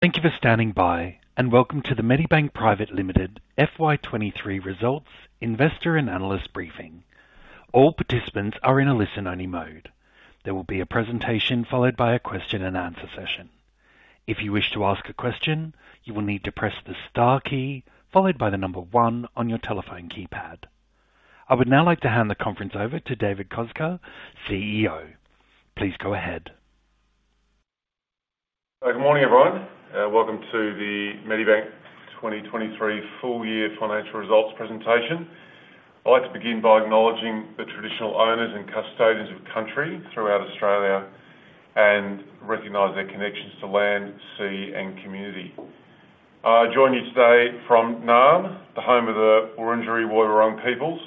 Thank you for standing by, welcome to the Medibank Private Limited FY23 Results Investor and Analyst Briefing. All participants are in a listen-only mode. There will be a presentation followed by a question and answer session. If you wish to ask a question, you will need to press the star key followed by the number one on your telephone keypad. I would now like to hand the conference over to David Koczkar, CEO. Please go ahead. Good morning, everyone, welcome to the Medibank 2023 full year financial results presentation. I'd like to begin by acknowledging the traditional owners and custodians of country throughout Australia and recognize their connections to land, sea and community. I join you today from Naarm, the home of the Wurundjeri Woi Wurrung peoples.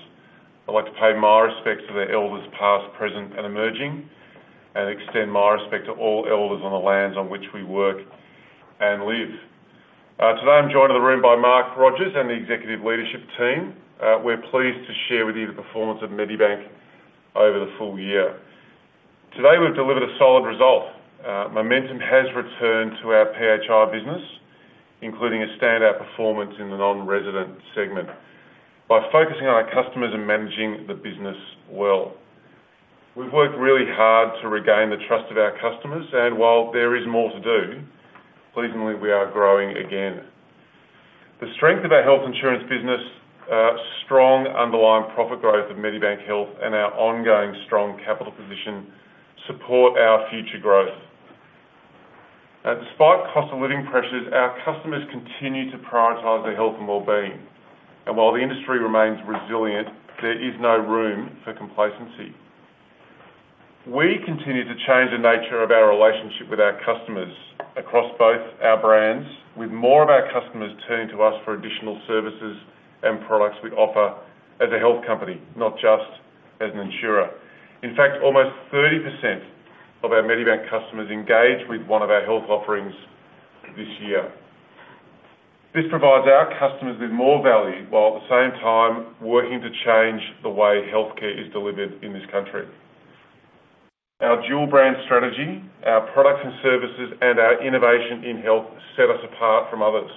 I'd like to pay my respects to their elders, past, present, and emerging, and extend my respect to all elders on the lands on which we work and live. Today, I'm joined in the room by Mark Rogers and the executive leadership team. We're pleased to share with you the performance of Medibank over the full year. Today, we've delivered a solid result. Momentum has returned to our PHI business, including a standout performance in the non-resident segment. By focusing on our customers and managing the business well. We've worked really hard to regain the trust of our customers. While there is more to do, pleasingly, we are growing again. The strength of our health insurance business, strong underlying profit growth of Medibank Health, our ongoing strong capital position support our future growth. Despite cost of living pressures, our customers continue to prioritize their health and wellbeing. While the industry remains resilient, there is no room for complacency. We continue to change the nature of our relationship with our customers across both our brands, with more of our customers turning to us for additional services and products we offer as a health company, not just as an insurer. In fact, almost 30% of our Medibank customers engaged with one of our health offerings this year. This provides our customers with more value, while at the same time working to change the way healthcare is delivered in this country. Our dual brand strategy, our products and services, and our innovation in health set us apart from others,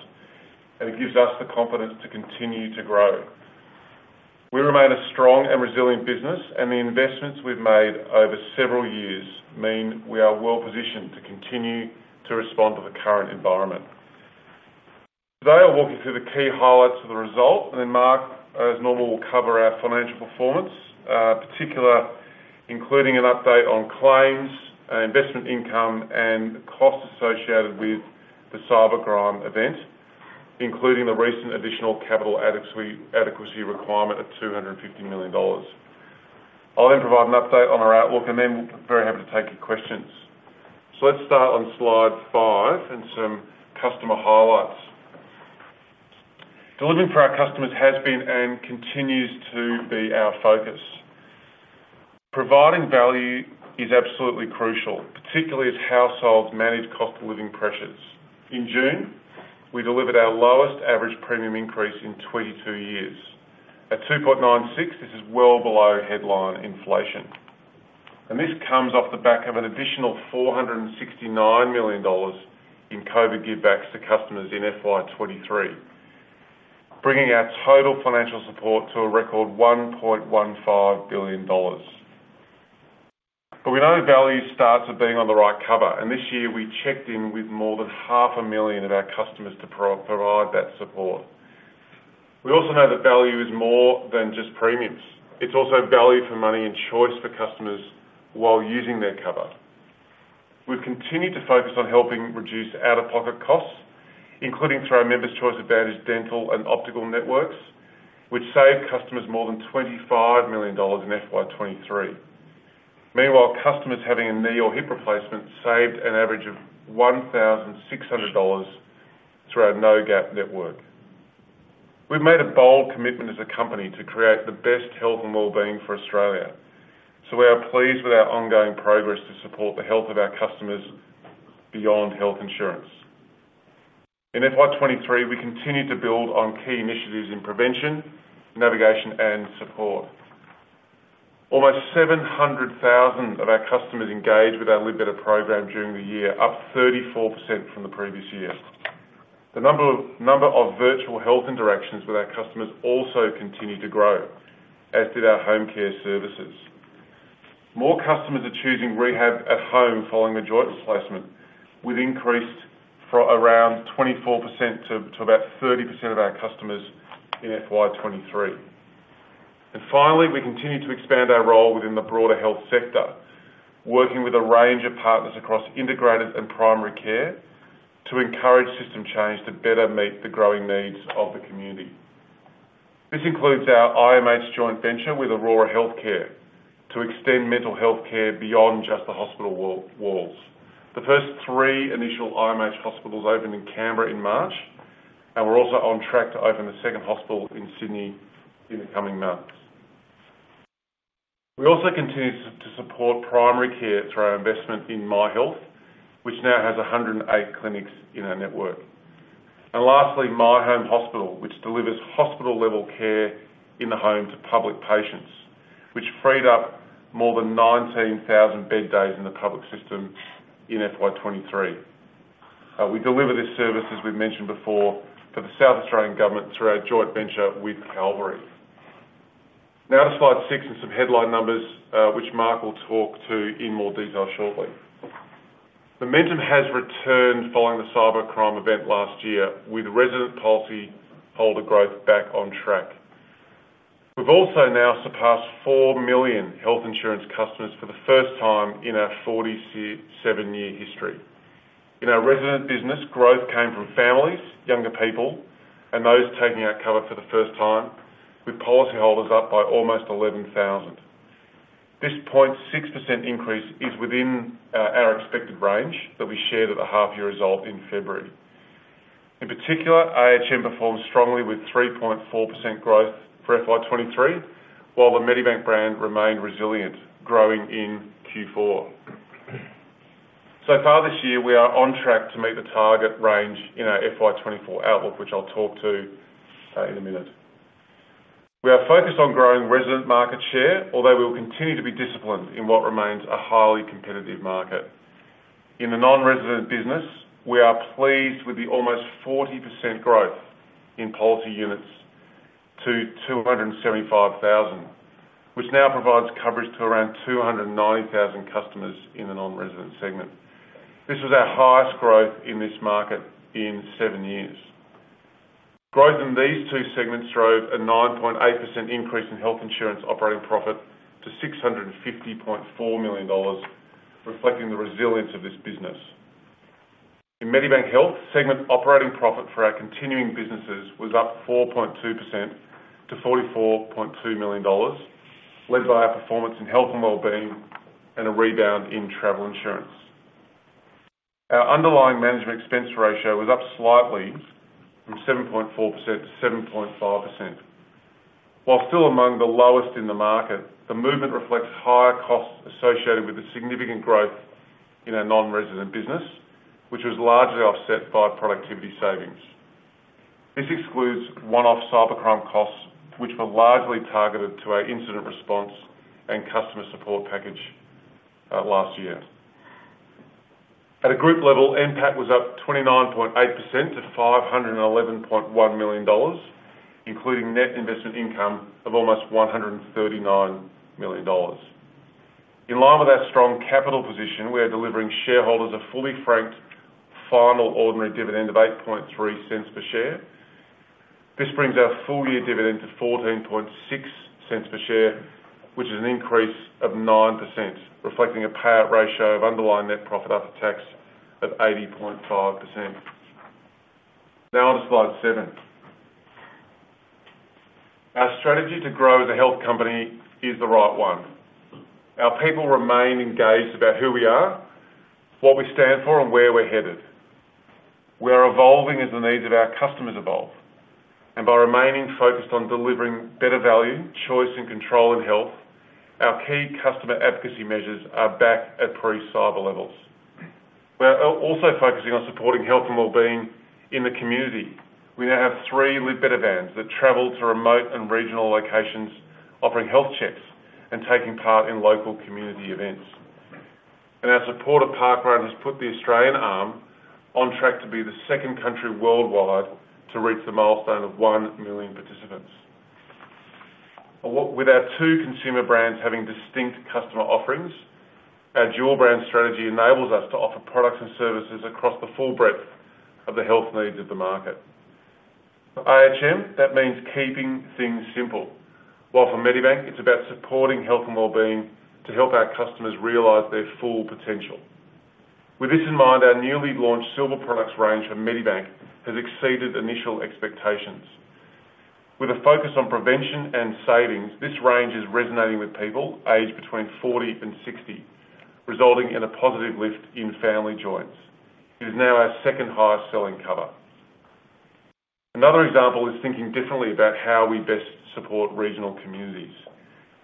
it gives us the confidence to continue to grow. We remain a strong and resilient business, the investments we've made over several years mean we are well positioned to continue to respond to the current environment. Today, I'll walk you through the key highlights of the result, then Mark, as normal, will cover our financial performance, particularly including an update on claims and investment income, and costs associated with the cybercrime event, including the recent additional capital adequacy requirement of 250 million dollars. I'll provide an update on our outlook, then we'll be very happy to take your questions. Let's start on slide five and some customer highlights. Delivering for our customers has been and continues to be our focus. Providing value is absolutely crucial, particularly as households manage cost of living pressures. In June, we delivered our lowest average premium increase in 22 years. At 2.96%, this is well below headline inflation, and this comes off the back of an additional 469 million dollars in COVID givebacks to customers in FY23, bringing our total financial support to a record 1.15 billion dollars. We know value starts with being on the right cover, and this year we checked in with more than 500,000 of our customers to provide that support. We also know that value is more than just premiums. It's also value for money and choice for customers while using their cover. We've continued to focus on helping reduce out-of-pocket costs, including through our Members' Choice Advantage, dental and optical networks, which saved customers more than 25 million dollars in FY23. Meanwhile, customers having a knee or hip replacement saved an average of 1,600 dollars through our No Gap network. We've made a bold commitment as a company to create the best health and wellbeing for Australia, we are pleased with our ongoing progress to support the health of our customers beyond health insurance. In FY23, we continued to build on key initiatives in prevention, navigation, and support. Almost 700,000 of our customers engaged with our Live Better program during the year, up 34% from the previous year. The number of virtual health interactions with our customers also continued to grow, as did our home care services. More customers are choosing rehab at home following a joint replacement, with increased from around 24% to about 30% of our customers in FY23. Finally, we continued to expand our role within the broader health sector, working with a range of partners across integrated and primary care, to encourage system change to better meet the growing needs of the community. This includes our iMH joint venture with Aurora Healthcare, to extend mental health care beyond just the hospital walls. The first three initial iMH hospitals opened in Canberra in March, and we're also on track to open a second hospital in Sydney in the coming months. We also continued to support primary care through our investment in Myhealth, which now has 108 clinics in our network. Lastly, My Home Hospital, which delivers hospital-level care in the home to public patients.... freed up more than 19,000 bed days in the public system in FY23. We deliver this service, as we've mentioned before, for the South Australian Government through our joint venture with Calvary. To slide 6 and some headline numbers, which Mark will talk to in more detail shortly. Momentum has returned following the cyber attack last year, with resident policyholder growth back on track. We've also now surpassed 4 million health insurance customers for the first time in our 47-year history. In our resident business, growth came from families, younger people, and those taking out cover for the first time, with policyholders up by almost 11,000. This 0.6% increase is within our expected range that we shared at the half year result in February. In particular, ahm performed strongly with 3.4% growth for FY23, while the Medibank brand remained resilient, growing in Q4. Far this year, we are on track to meet the target range in our FY24 outlook, which I'll talk to in a minute. We are focused on growing resident market share, although we will continue to be disciplined in what remains a highly competitive market. In the non-resident business, we are pleased with the almost 40% growth in policy units to 275,000, which now provides coverage to around 290,000 customers in the non-resident segment. This was our highest growth in this market in seven years. Growth in these two segments drove a 9.8% increase in health insurance operating profit to 650.4 million dollars, reflecting the resilience of this business. In Medibank Health, segment operating profit for our continuing businesses was up 4.2% to 44.2 million dollars, led by our performance in health and wellbeing and a rebound in travel insurance. Our underlying management expense ratio was up slightly from 7.4% to 7.5%. While still among the lowest in the market, the movement reflects higher costs associated with the significant growth in our non-resident business, which was largely offset by productivity savings. This excludes one-off cybercrime costs, which were largely targeted to our incident response and customer support package last year. At a group level, NPAT was up 29.8% to 511.1 million dollars, including net investment income of almost 139 million dollars. In line with our strong capital position, we are delivering shareholders a fully franked final ordinary dividend of 0.083 per share. This brings our full-year dividend to 0.146 per share, which is an increase of 9%, reflecting a payout ratio of underlying net profit after tax of 80.5%. On to slide seven. Our strategy to grow as a health company is the right one. Our people remain engaged about who we are, what we stand for, and where we're headed. We are evolving as the needs of our customers evolve, by remaining focused on delivering better value, choice, and control in health, our key customer advocacy measures are back at pre-cyber levels. We are also focusing on supporting health and wellbeing in the community. We now have three Live Better vans that travel to remote and regional locations, offering health checks and taking part in local community events. Our support of parkrun has put the Australian arm on track to be the second country worldwide to reach the milestone of 1 million participants. With our two consumer brands having distinct customer offerings, our dual brand strategy enables us to offer products and services across the full breadth of the health needs of the market. For ahm, that means keeping things simple, while for Medibank, it's about supporting health and wellbeing to help our customers realize their full potential. With this in mind, our newly launched Silver Plus range from Medibank has exceeded initial expectations. With a focus on prevention and savings, this range is resonating with people aged between 40 and 60, resulting in a positive lift in family joints. It is now our second highest selling cover. Another example is thinking differently about how we best support regional communities.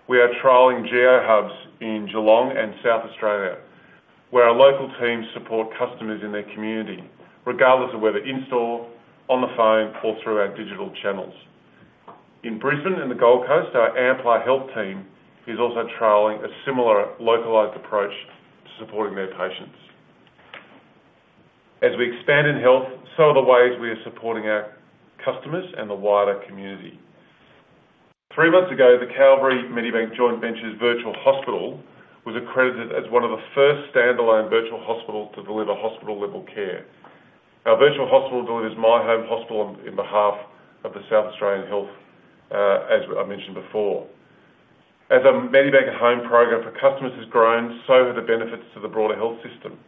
We are trialing local hubs in Geelong and South Australia, where our local teams support customers in their community, regardless of whether in-store, on the phone, or through our digital channels. In Brisbane and the Gold Coast, our Amplar Health team is also trialing a similar localized approach to supporting their patients. As we expand in health, so are the ways we are supporting our customers and the wider community. Three months ago, the Calvary Medibank Joint Venture virtual hospital was accredited as one of the first standalone virtual hospital to deliver hospital-level care. Our virtual hospital delivers My Home Hospital on, in behalf of the South Australian Health, as I mentioned before. As our Medibank Home program for customers has grown, so have the benefits to the broader health system.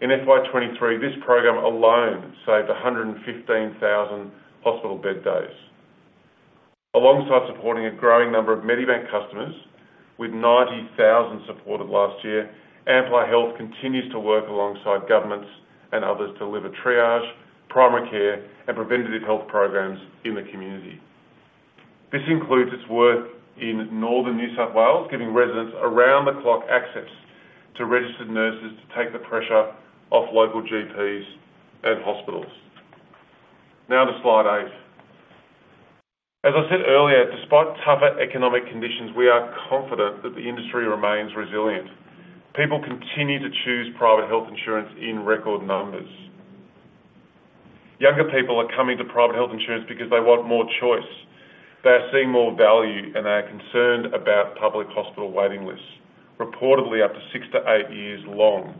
In FY23, this program alone saved 115,000 hospital bed days. Alongside supporting a growing number of Medibank customers, with 90,000 supported last year, Amplar Health continues to work alongside governments and others to deliver triage, primary care, and preventative health programs in the community. This includes its work in northern New South Wales, giving residents around-the-clock access to registered nurses to take the pressure off local GPs and hospitals. On to slide 8. As I said earlier, despite tougher economic conditions, we are confident that the industry remains resilient. People continue to choose private health insurance in record numbers. Younger people are coming to private health insurance because they want more choice. They are seeing more value, and they are concerned about public hospital waiting lists, reportedly up to 6 years-8 years long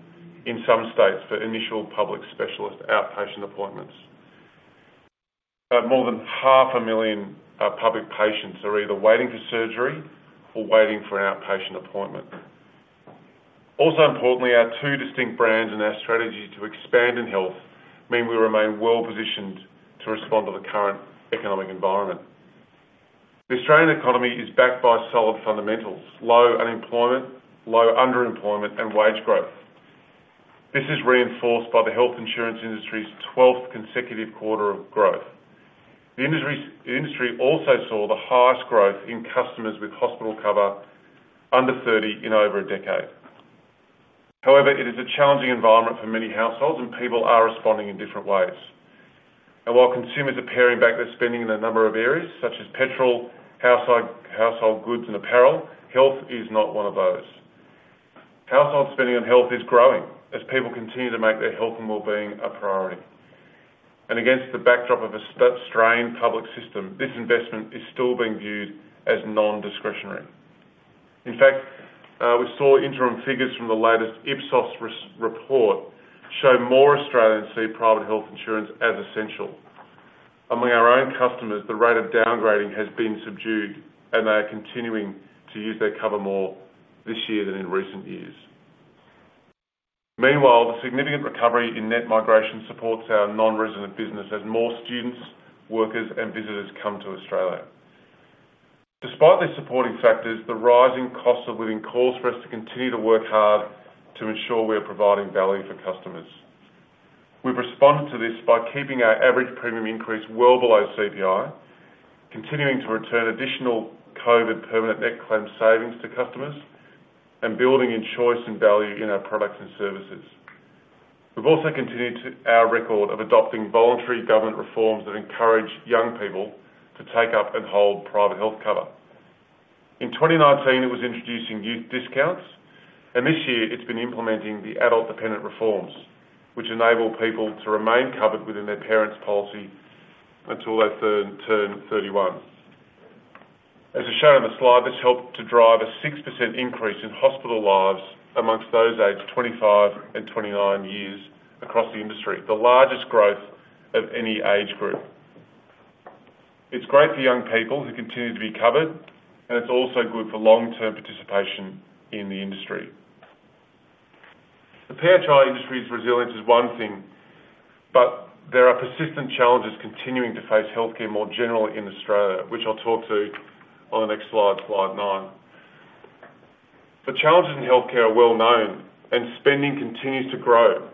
in some states for initial public specialist outpatient appointments. More than 500,000 public patients are either waiting for surgery or waiting for an outpatient appointment. Importantly, our two distinct brands and our strategy to expand in health mean we remain well-positioned to respond to the current economic environment. The Australian economy is backed by solid fundamentals, low unemployment, low underemployment, and wage growth. This is reinforced by the health insurance industry's 12th consecutive quarter of growth. The industry also saw the highest growth in customers with hospital cover under 30 in over a decade. While consumers are paring back their spending in a number of areas, such as petrol, household goods and apparel, health is not one of those. Household spending on health is growing as people continue to make their health and well-being a priority. Against the backdrop of a strained public system, this investment is still being viewed as non-discretionary. In fact, we saw interim figures from the latest Ipsos report show more Australians see private health insurance as essential. Among our own customers, the rate of downgrading has been subdued, and they are continuing to use their cover more this year than in recent years. Meanwhile, the significant recovery in net migration supports our non-resident business as more students, workers, and visitors come to Australia. Despite these supporting factors, the rising cost of living calls for us to continue to work hard to ensure we are providing value for customers. We've responded to this by keeping our average premium increase well below CPI, continuing to return additional COVID permanent net claim savings to customers, and building in choice and value in our products and services. We've also continued to our record of adopting voluntary government reforms that encourage young people to take up and hold private health cover. In 2019, it was introducing youth discounts. This year it's been implementing the adult dependent reforms, which enable people to remain covered within their parents' policy until they turn, turn 31. As is shown on the slide, this helped to drive a 6% increase in hospital lives amongst those aged 25 and 29 years across the industry, the largest growth of any age group. It's great for young people who continue to be covered, and it's also good for long-term participation in the industry. The PHI industry's resilience is one thing. There are persistent challenges continuing to face healthcare more generally in Australia, which I'll talk to on the next slide, slide nine. The challenges in healthcare are well known. Spending continues to grow,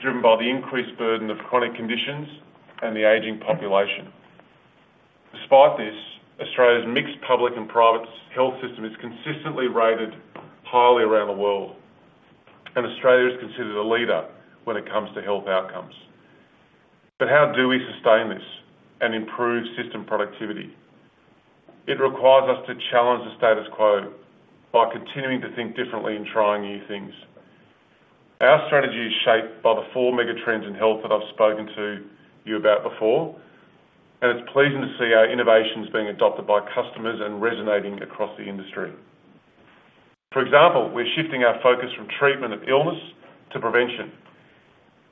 driven by the increased burden of chronic conditions and the aging population. Despite this, Australia's mixed public and private health system is consistently rated highly around the world, and Australia is considered a leader when it comes to health outcomes. How do we sustain this and improve system productivity? It requires us to challenge the status quo by continuing to think differently and trying new things. Our strategy is shaped by the four mega trends in health that I've spoken to you about before, and it's pleasing to see our innovations being adopted by customers and resonating across the industry. For example, we're shifting our focus from treatment of illness to prevention,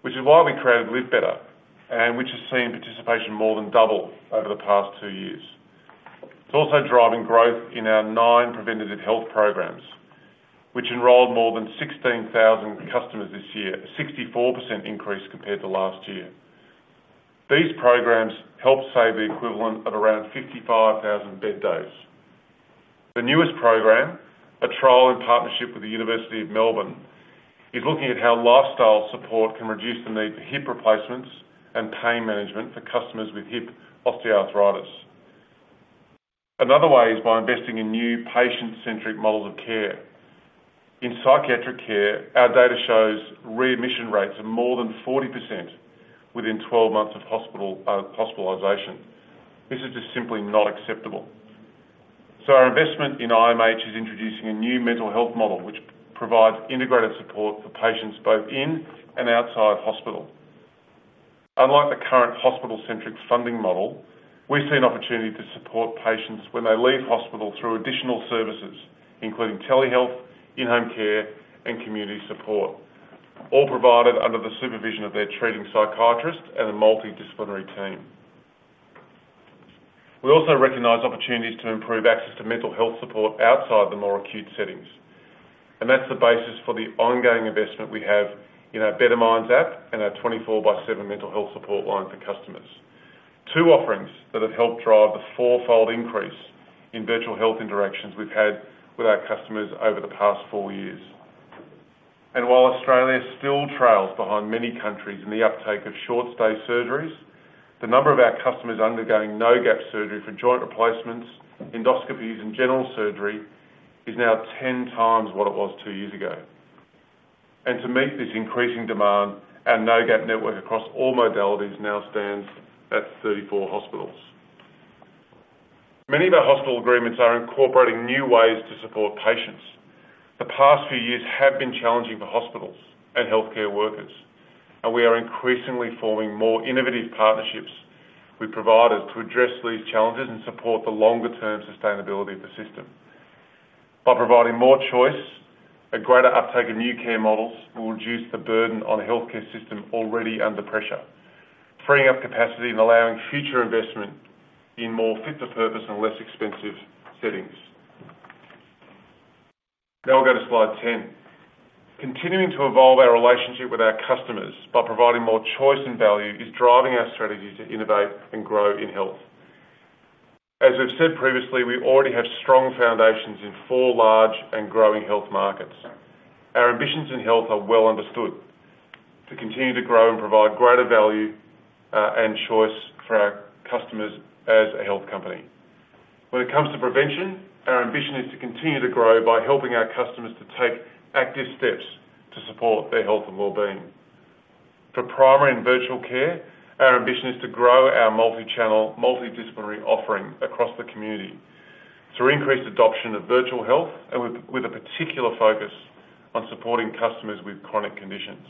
which is why we created Live Better, and which has seen participation more than double over the past two years. It's also driving growth in our 9 preventative health programs, which enrolled more than 16,000 customers this year, a 64% increase compared to last year. These programs helped save the equivalent of around 55,000 bed days. The newest program, a trial in partnership with the University of Melbourne, is looking at how lifestyle support can reduce the need for hip replacements and pain management for customers with hip osteoarthritis. Another way is by investing in new patient-centric models of care. In psychiatric care, our data shows readmission rates are more than 40% within 12 months of hospital hospitalization. This is just simply not acceptable. Our investment in iMH is introducing a new mental health model, which provides integrated support for patients both in and outside hospital. Unlike the current hospital-centric funding model, we see an opportunity to support patients when they leave hospital through additional services, including telehealth, in-home care, and community support, all provided under the supervision of their treating psychiatrist and a multidisciplinary team. We also recognize opportunities to improve access to mental health support outside the more acute settings. That's the basis for the ongoing investment we have in our Better Minds app and our 24/7 mental health support line for customers. Two offerings that have helped drive the fourfold increase in virtual health interactions we've had with our customers over the past four years. While Australia still trails behind many countries in the uptake of short-stay surgeries, the number of our customers undergoing No Gap surgery for joint replacements, endoscopies, and general surgery is now 10x what it was two years ago. To meet this increasing demand, our No Gap network across all modalities now stands at 34 hospitals. Many of our hospital agreements are incorporating new ways to support patients. The past few years have been challenging for hospitals and healthcare workers, and we are increasingly forming more innovative partnerships with providers to address these challenges and support the longer-term sustainability of the system. By providing more choice, a greater uptake in new care models will reduce the burden on the healthcare system already under pressure, freeing up capacity and allowing future investment in more fit-for-purpose and less expensive settings. Now we'll go to slide 10. Continuing to evolve our relationship with our customers by providing more choice and value, is driving our strategy to innovate and grow in health. As I've said previously, we already have strong foundations in four large and growing health markets. Our ambitions in health are well understood: to continue to grow and provide greater value and choice for our customers as a health company. When it comes to prevention, our ambition is to continue to grow by helping our customers to take active steps to support their health and well-being. For primary and virtual care, our ambition is to grow our multi-channel, multidisciplinary offering across the community through increased adoption of virtual health with a particular focus on supporting customers with chronic conditions.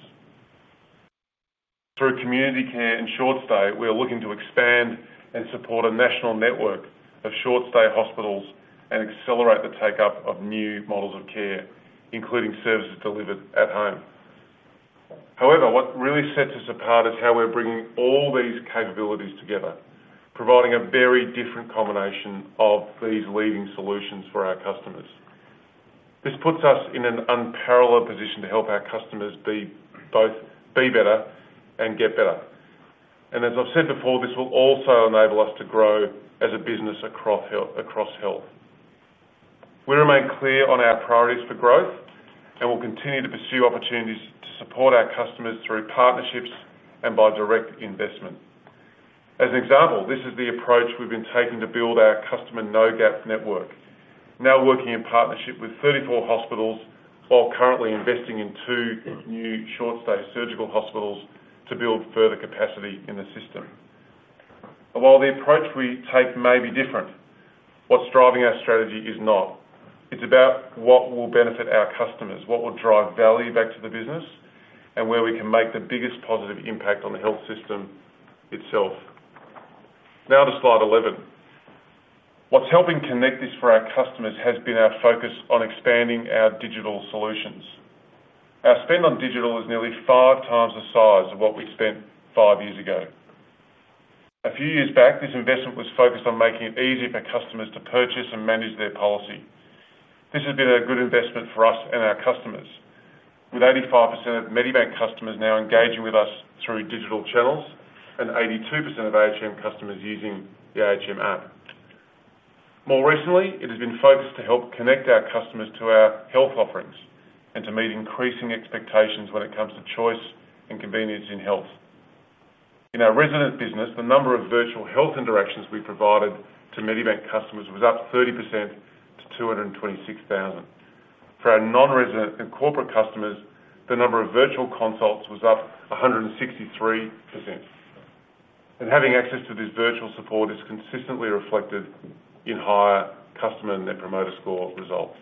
Through community care and short stay, we are looking to expand and support a national network of short-stay hospitals and accelerate the take-up of new models of care, including services delivered at home. What really sets us apart is how we're bringing all these capabilities together, providing a very different combination of these leading solutions for our customers. This puts us in an unparalleled position to help our customers both be better and get better. As I've said before, this will also enable us to grow as a business across health, across health. We remain clear on our priorities for growth, and we'll continue to pursue opportunities to support our customers through partnerships and by direct investment. As an example, this is the approach we've been taking to build our customer No Gap network, now working in partnership with 34 hospitals, while currently investing in two new short-stay surgical hospitals to build further capacity in the system. While the approach we take may be different, what's driving our strategy is not. It's about what will benefit our customers, what will drive value back to the business, and where we can make the biggest positive impact on the health system itself. Now to slide 11. What's helping connect this for our customers has been our focus on expanding our digital solutions. Our spend on digital is nearly five times the size of what we spent 5 years ago. A few years back, this investment was focused on making it easier for customers to purchase and manage their policy. This has been a good investment for us and our customers, with 85% of Medibank customers now engaging with us through digital channels and 82% of ahm customers using the ahm app. More recently, it has been focused to help connect our customers to our health offerings and to meet increasing expectations when it comes to choice and convenience in health. In our resident business, the number of virtual health interactions we provided to Medibank customers was up 30% to 226,000. For our non-resident and corporate customers, the number of virtual consults was up 163%, and having access to this virtual support is consistently reflected in higher customer Net Promoter Score results.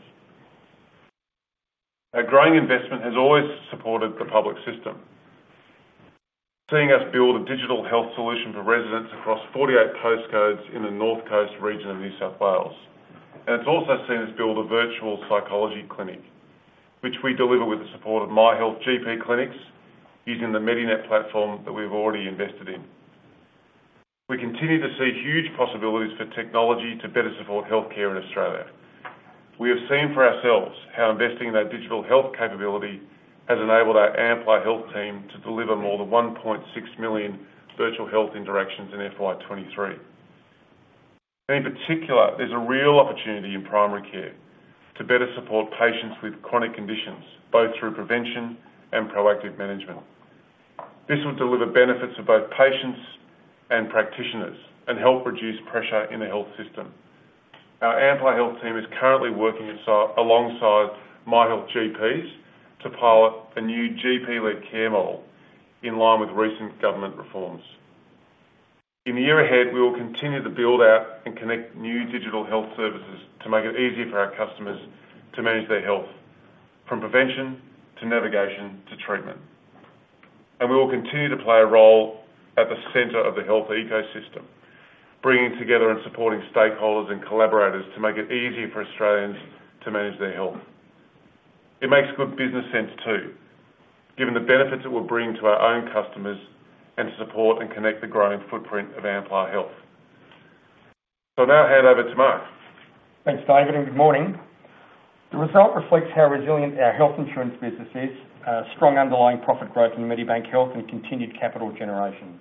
Our growing investment has always supported the public system, seeing us build a digital health solution for residents across 48 postcodes in the North Coast region of New South Wales. It's also seen us build a virtual psychology clinic, which we deliver with the support of Myhealth GP clinics, using the Medinet platform that we've already invested in. We continue to see huge possibilities for technology to better support healthcare in Australia. We have seen for ourselves how investing in our digital health capability has enabled our Amplar Health team to deliver more than 1.6 million virtual health interactions in FY23. In particular, there's a real opportunity in primary care to better support patients with chronic conditions, both through prevention and proactive management. This will deliver benefits to both patients and practitioners and help reduce pressure in the health system. Our Amplar Health team is currently working alongside Myhealth GPs to pilot a new GP-led care model in line with recent government reforms. In the year ahead, we will continue to build out and connect new digital health services to make it easier for our customers to manage their health, from prevention to navigation to treatment. We will continue to play a role at the center of the health ecosystem, bringing together and supporting stakeholders and collaborators to make it easier for Australians to manage their health. It makes good business sense, too, given the benefits it will bring to our own customers and to support and connect the growing footprint of Amplar Health. I'll now hand over to Mark. Thanks, David. Good morning. The result reflects how resilient our health insurance business is, strong underlying profit growth in Medibank Health, and continued capital generation.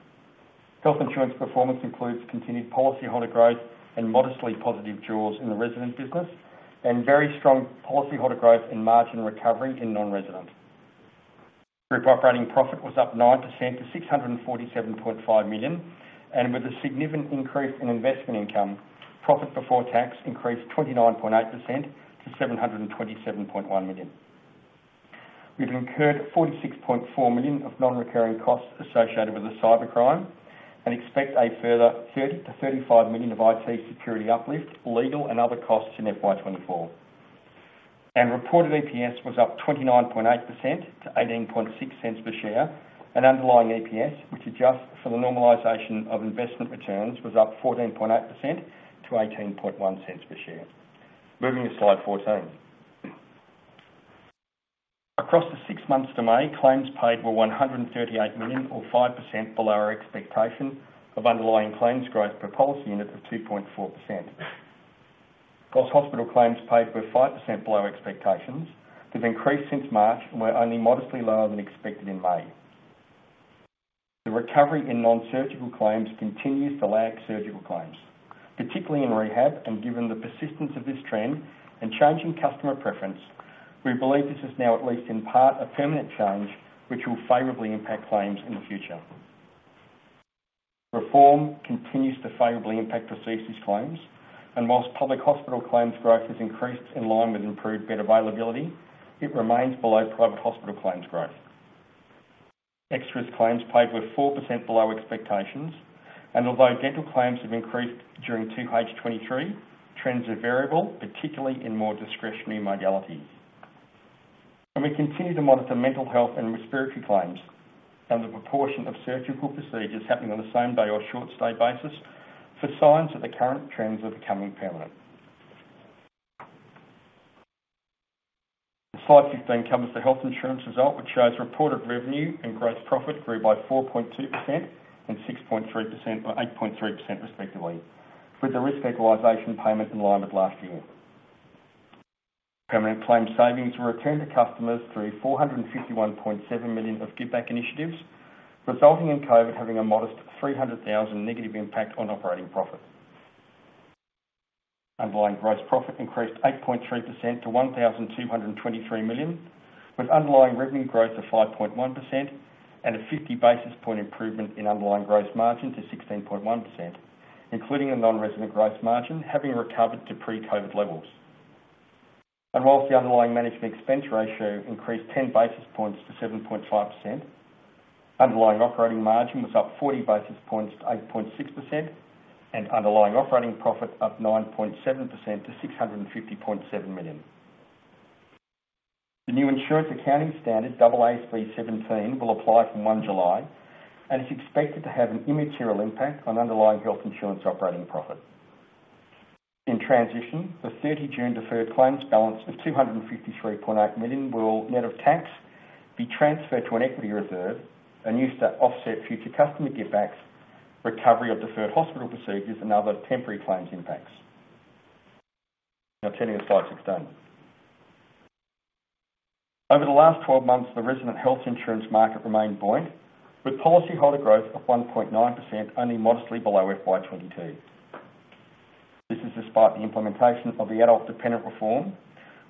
Health insurance performance includes continued policyholder growth and modestly positive gross in the resident business, and very strong policyholder growth and margin recovery in non-residents. Group operating profit was up 9% to 647.5 million. With a significant increase in investment income, profit before tax increased 29.8% to 727.1 million. We've incurred 46.4 million of non-recurring costs associated with the cyber attack and expect a further 30 million-35 million of IT security uplift, legal, and other costs in FY24. Reported EPS was up 29.8% to 0.186 per share, and underlying EPS, which adjusts for the normalization of investment returns, was up 14.8% to 0.181 per share. Moving to slide 14. Across the 6 months to May, claims paid were 138 million, or 5% below our expectation of underlying claims growth per policy unit of 2.4%. Hospital claims paid were 5% below expectations, have increased since March, and were only modestly lower than expected in May. The recovery in nonsurgical claims continues to lag surgical claims, particularly in rehab, and given the persistence of this trend and changing customer preference, we believe this is now, at least in part, a permanent change, which will favorably impact claims in the future. Reform continues to favorably impact procedures claims, and whilst public hospital claims growth has increased in line with improved bed availability, it remains below private hospital claims growth. Extras claims paid were 4% below expectations, and although dental claims have increased during 2H 2023, trends are variable, particularly in more discretionary modalities. We continue to monitor mental health and respiratory claims, and the proportion of surgical procedures happening on the same-day or short-stay basis for signs that the current trends are becoming permanent. Slide 15 covers the health insurance result, which shows reported revenue and gross profit grew by 4.2% and 6.3%, or 8.3% respectively, with the risk equalisation payment in line with last year. Permanent claims savings were returned to customers through 451.7 million of giveback initiatives, resulting in COVID having a modest 300,000 negative impact on operating profit. Underlying gross profit increased 8.3% to 1,223 million, with underlying revenue growth of 5.1% and a 50 basis point improvement in underlying gross margin to 16.1%, including a non-resident gross margin, having recovered to pre-COVID levels. Whilst the underlying management expense ratio increased 10 basis points to 7.5%, underlying operating margin was up 40 basis points to 8.6%, and underlying operating profit up 9.7% to 650.7 million. The new insurance accounting standard, AASB 17, will apply from July 1 and is expected to have an immaterial impact on underlying health insurance operating profit. In transition, the June 30 deferred claims balance of 253.8 million will, net of tax, be transferred to an equity reserve and used to offset future customer givebacks, recovery of deferred hospital procedures, and other temporary claims impacts. Turning to slide 16. Over the last 12 months, the resident health insurance market remained buoyant, with policyholder growth of 1.9%, only modestly below FY22. This is despite the implementation of the adult dependent reform,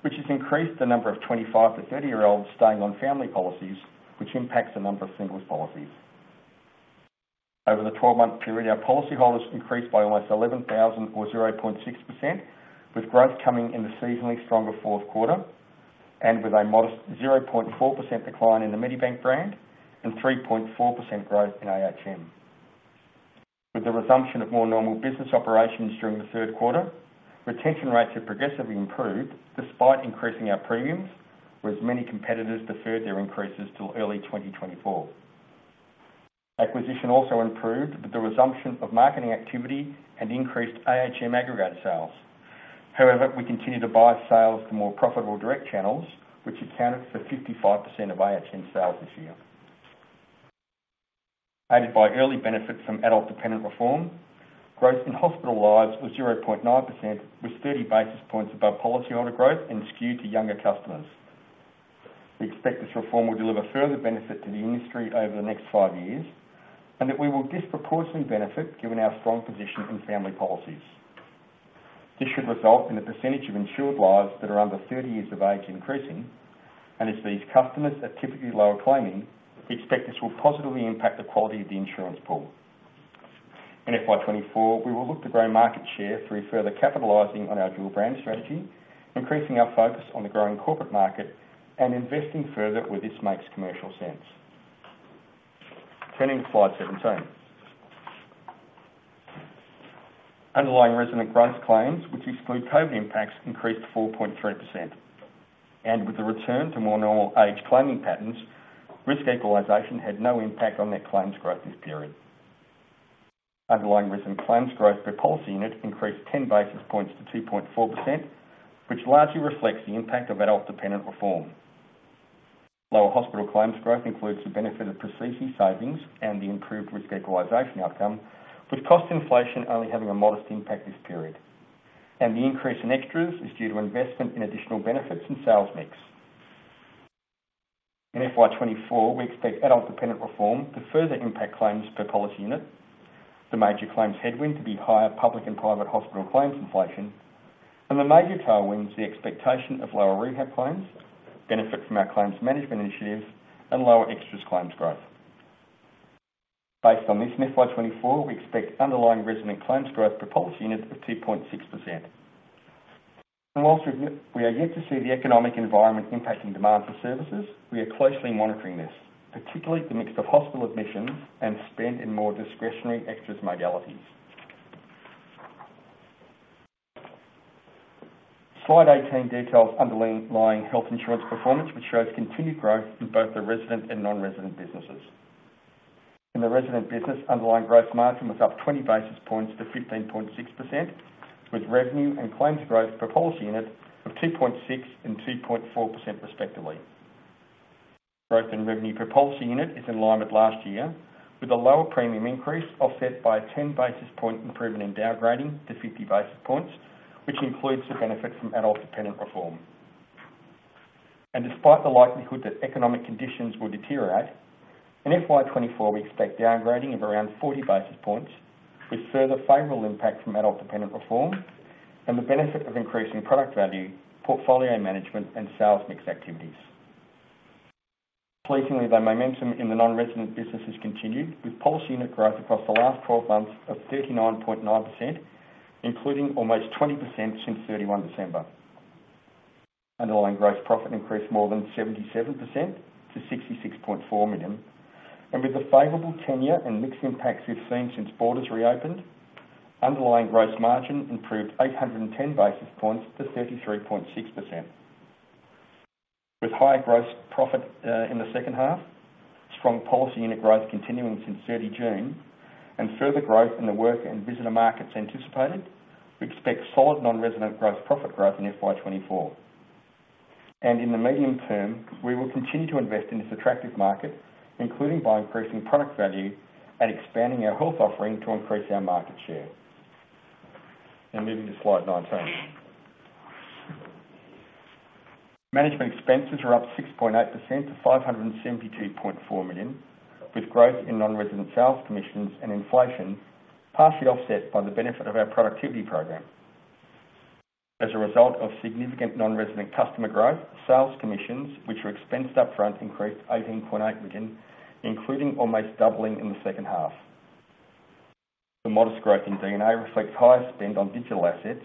which has increased the number of 25-30-year-olds staying on family policies, which impacts the number of singles policies. Over the 12-month period, our policyholders increased by almost 11,000, or 0.6%, with growth coming in the seasonally stronger fourth quarter, with a modest 0.4% decline in the Medibank brand and 3.4% growth in ahm. With the resumption of more normal business operations during the third quarter, retention rates have progressively improved despite increasing our premiums, whereas many competitors deferred their increases till early 2024. Acquisition also improved with the resumption of marketing activity and increased ahm aggregate sales. We continue to bias sales to more profitable direct channels, which accounted for 55% of ahm sales this year. Aided by early benefits from adult dependent reform, growth in hospital lives was 0.9%, with 30 basis points above policyholder growth and skewed to younger customers. We expect this reform will deliver further benefit to the industry over the next five years. That we will disproportionately benefit given our strong position in family policies. This should result in the percentage of insured lives that are under 30 years of age increasing. As these customers are typically lower claiming, we expect this will positively impact the quality of the insurance pool. In FY24, we will look to grow market share through further capitalizing on our dual brand strategy, increasing our focus on the growing corporate market, and investing further where this makes commercial sense. Turning to slide 17. Underlying resident gross claims, which exclude COVID impacts, increased 4.3%. With the return to more normal age claiming patterns, risk equalisation had no impact on net claims growth this period. Underlying resident claims growth per policy unit increased 10 basis points to 2.4%, which largely reflects the impact of adult dependent reform. Lower hospital claims growth includes the benefit of procedure savings and the improved risk equalization outcome, with cost inflation only having a modest impact this period. The increase in extras is due to investment in additional benefits and sales mix. In FY24, we expect adult dependent reform to further impact claims per policy unit. The major claims headwind to be higher public and private hospital claims inflation, and the major tailwinds, the expectation of lower rehab claims, benefit from our claims management initiatives, and lower extras claims growth. Based on this, in FY24, we expect underlying resident claims growth per policy unit of 2.6%. Whilst we are yet to see the economic environment impacting demand for services, we are closely monitoring this, particularly the mix of hospital admissions and spend in more discretionary extras modalities. Slide 18 details underlying health insurance performance, which shows continued growth in both the resident and non-resident businesses. In the resident business, underlying growth margin was up 20 basis points to 15.6%, with revenue and claims growth per policy unit of 2.6% and 2.4% respectively. Growth in revenue per policy unit is in line with last year, with a lower premium increase offset by a 10 basis point improvement in downgrading to 50 basis points, which includes the benefits from adult dependent reform. Despite the likelihood that economic conditions will deteriorate, in FY24, we expect downgrading of around 40 basis points, with further favorable impact from adult dependent reform and the benefit of increasing product value, portfolio management, and sales mix activities. Pleasingly, the momentum in the non-resident business has continued, with policy unit growth across the last 12 months of 39.9%, including almost 20% since 31 December. Underlying gross profit increased more than 77% to 66.4 million. With the favorable tenure and mixing impacts we've seen since borders reopened, underlying gross margin improved 810 basis points to 33.6%. With higher gross profit in the second half, strong policy unit growth continuing since 30 June, and further growth in the work and visitor markets anticipated, we expect solid non-resident gross profit growth in FY24. In the medium term, we will continue to invest in this attractive market, including by increasing product value and expanding our health offering to increase our market share. Now, moving to slide 19. Management expenses are up 6.8% to 572.4 million, with growth in non-resident sales commissions and inflation, partially offset by the benefit of our productivity program. As a result of significant non-resident customer growth, sales commissions, which were expensed up front, increased 18.8 million, including almost doubling in the second half. The modest growth in D&A reflects higher spend on digital assets,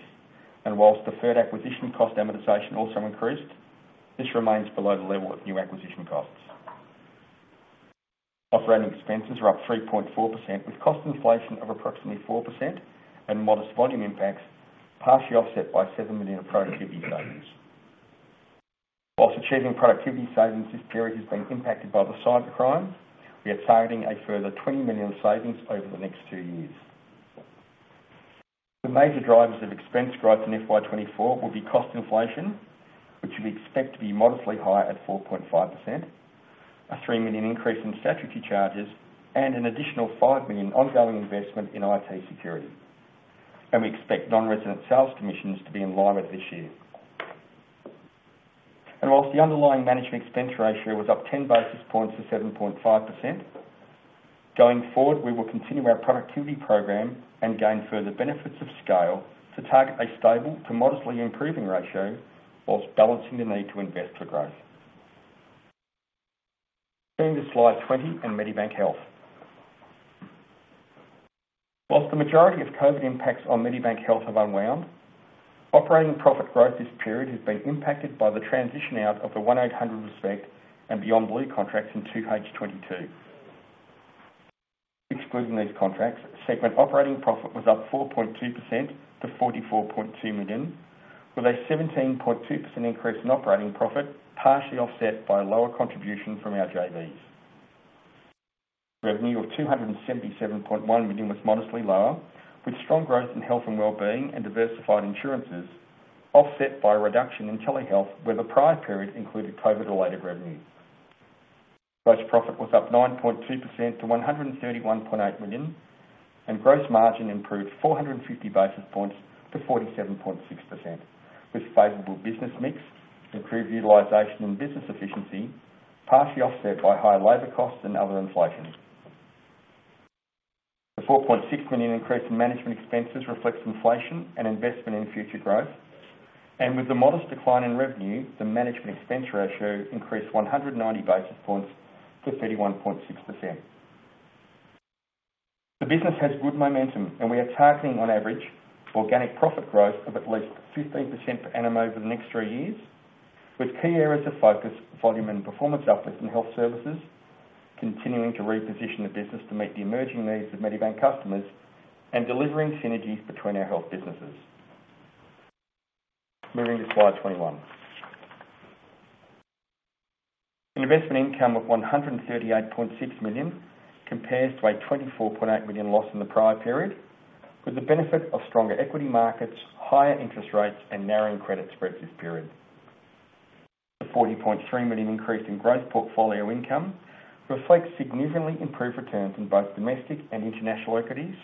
and whilst deferred acquisition cost amortization also increased, this remains below the level of new acquisition costs. Operating expenses are up 3.4%, with cost inflation of approximately 4% and modest volume impacts, partially offset by 7 million of productivity savings. Whilst achieving productivity savings, this period has been impacted by the cyber attack, we are targeting a further 20 million savings over the next two years. The major drivers of expense growth in FY24 will be cost inflation, which we expect to be modestly higher at 4.5%, a 3 million increase in statutory charges, and an additional 5 million ongoing investment in IT security. We expect non-resident sales commissions to be in line with this year. Whilst the underlying management expense ratio was up 10 basis points to 7.5%, going forward, we will continue our productivity program and gain further benefits of scale to target a stable to modestly improving ratio whilst balancing the need to invest for growth. Moving to slide 20 and Medibank Health. Whilst the majority of COVID impacts on Medibank Health have unwound, operating profit growth this period has been impacted by the transition out of the 1800RESPECT and Beyond Blue contracts in 2H 2022. Excluding these contracts, segment operating profit was up 4.2% to 44.2 million, with a 17.2% increase in operating profit, partially offset by lower contribution from our JVs. Revenue of 277.1 million was modestly lower, with strong growth in health and well-being and diversified insurances offset by a reduction in telehealth, where the prior period included COVID-related revenue. Gross profit was up 9.2% to 131.8 million, and gross margin improved 450 basis points to 47.6%, with favorable business mix, improved utilization and business efficiency, partially offset by higher labor costs and other inflation. The 4.6 million increase in management expenses reflects inflation and investment in future growth. With the modest decline in revenue, the management expense ratio increased 190 basis points to 31.6%. The business has good momentum, and we are targeting, on average, organic profit growth of at least 15% per annum over the next three years, with key areas of focus, volume and performance uplift in health services, continuing to reposition the business to meet the emerging needs of Medibank customers, and delivering synergies between our health businesses. Moving to slide 21. Investment income of AUD 138.6 million compares to an AUD 24.8 million loss in the prior period, with the benefit of stronger equity markets, higher interest rates, and narrowing credit spreads this period. The 40.3 million increase in gross portfolio income reflects significantly improved returns in both domestic and international equities,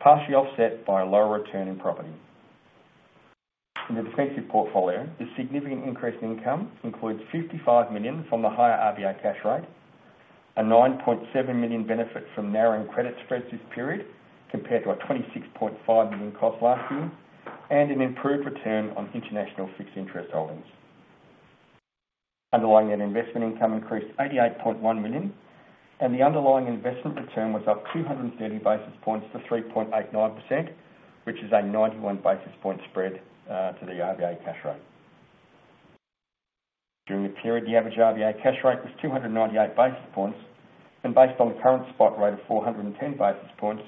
partially offset by a lower return in property. In the defensive portfolio, the significant increase in income includes 55 million from the higher RBA cash rate, an 9.7 million benefit from narrowing credit spreads this period, compared to an 26.5 million cost last year, and an improved return on international fixed interest holdings. Underlying net investment income increased 88.1 million, and the underlying investment return was up 230 basis points to 3.89%, which is a 91 basis point spread to the RBA cash rate. During the period, the average RBA cash rate was 298 basis points, and based on the current spot rate of 410 basis points,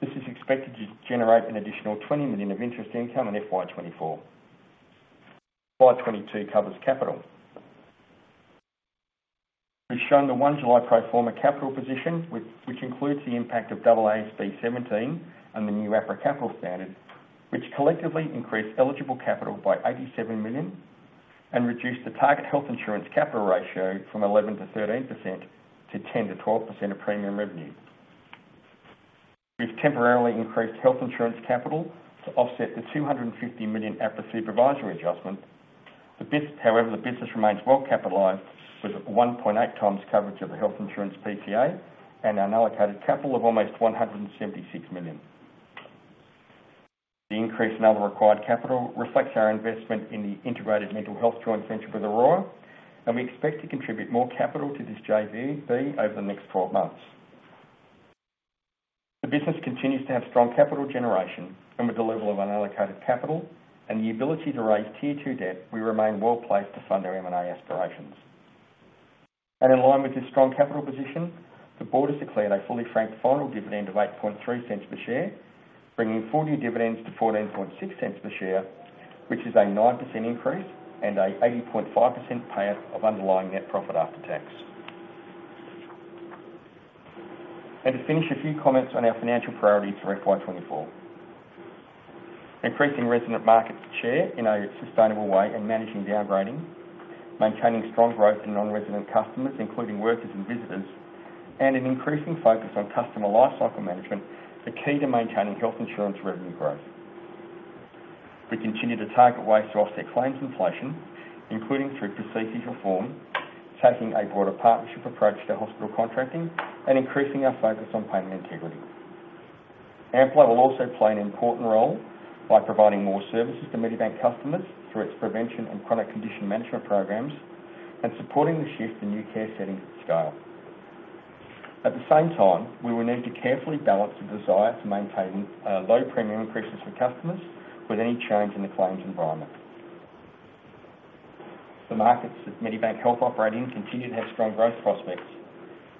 this is expected to generate an additional 20 million of interest income in FY24. Slide 22 covers capital. We've shown the 1 July pro forma capital position, which, which includes the impact of AASB 17 and the new APRA capital standard, which collectively increased eligible capital by 87 million and reduced the target health insurance capital ratio from 11%-13% to 10%-12% of premium revenue. We've temporarily increased health insurance capital to offset the 250 million APRA supervisory adjustment. However, the business remains well capitalized, with 1.8x coverage of the health insurance PCA and an unallocated capital of almost 176 million. The increase in other required capital reflects our investment in the integrated mental health joint venture with Aurora Healthcare. We expect to contribute more capital to this JV over the next 12 months. The business continues to have strong capital generation from the delivery of unallocated capital and the ability to raise Tier 2 debt. We remain well placed to fund our M&A aspirations. In line with this strong capital position, the board has declared a fully frank final dividend of 0.083 per share, bringing full-year dividends to 0.146 per share, which is a 9% increase and a 80.5% payout of underlying Net Profit After Tax. To finish, a few comments on our financial priorities for FY24. Increasing resident market share in a sustainable way and managing downgrading, maintaining strong growth in non-resident customers, including workers and visitors, and an increasing focus on customer lifecycle management are key to maintaining health insurance revenue growth. We continue to target ways to offset claims inflation, including through procedures reform, taking a broader partnership approach to hospital contracting, and increasing our focus on payment integrity. Amplar will also play an important role by providing more services to Medibank customers through its prevention and chronic condition management programs, and supporting the shift to new care settings at scale. At the same time, we will need to carefully balance the desire to maintain low premium increases for customers with any change in the claims environment. The markets that Medibank Health operate in continue to have strong growth prospects,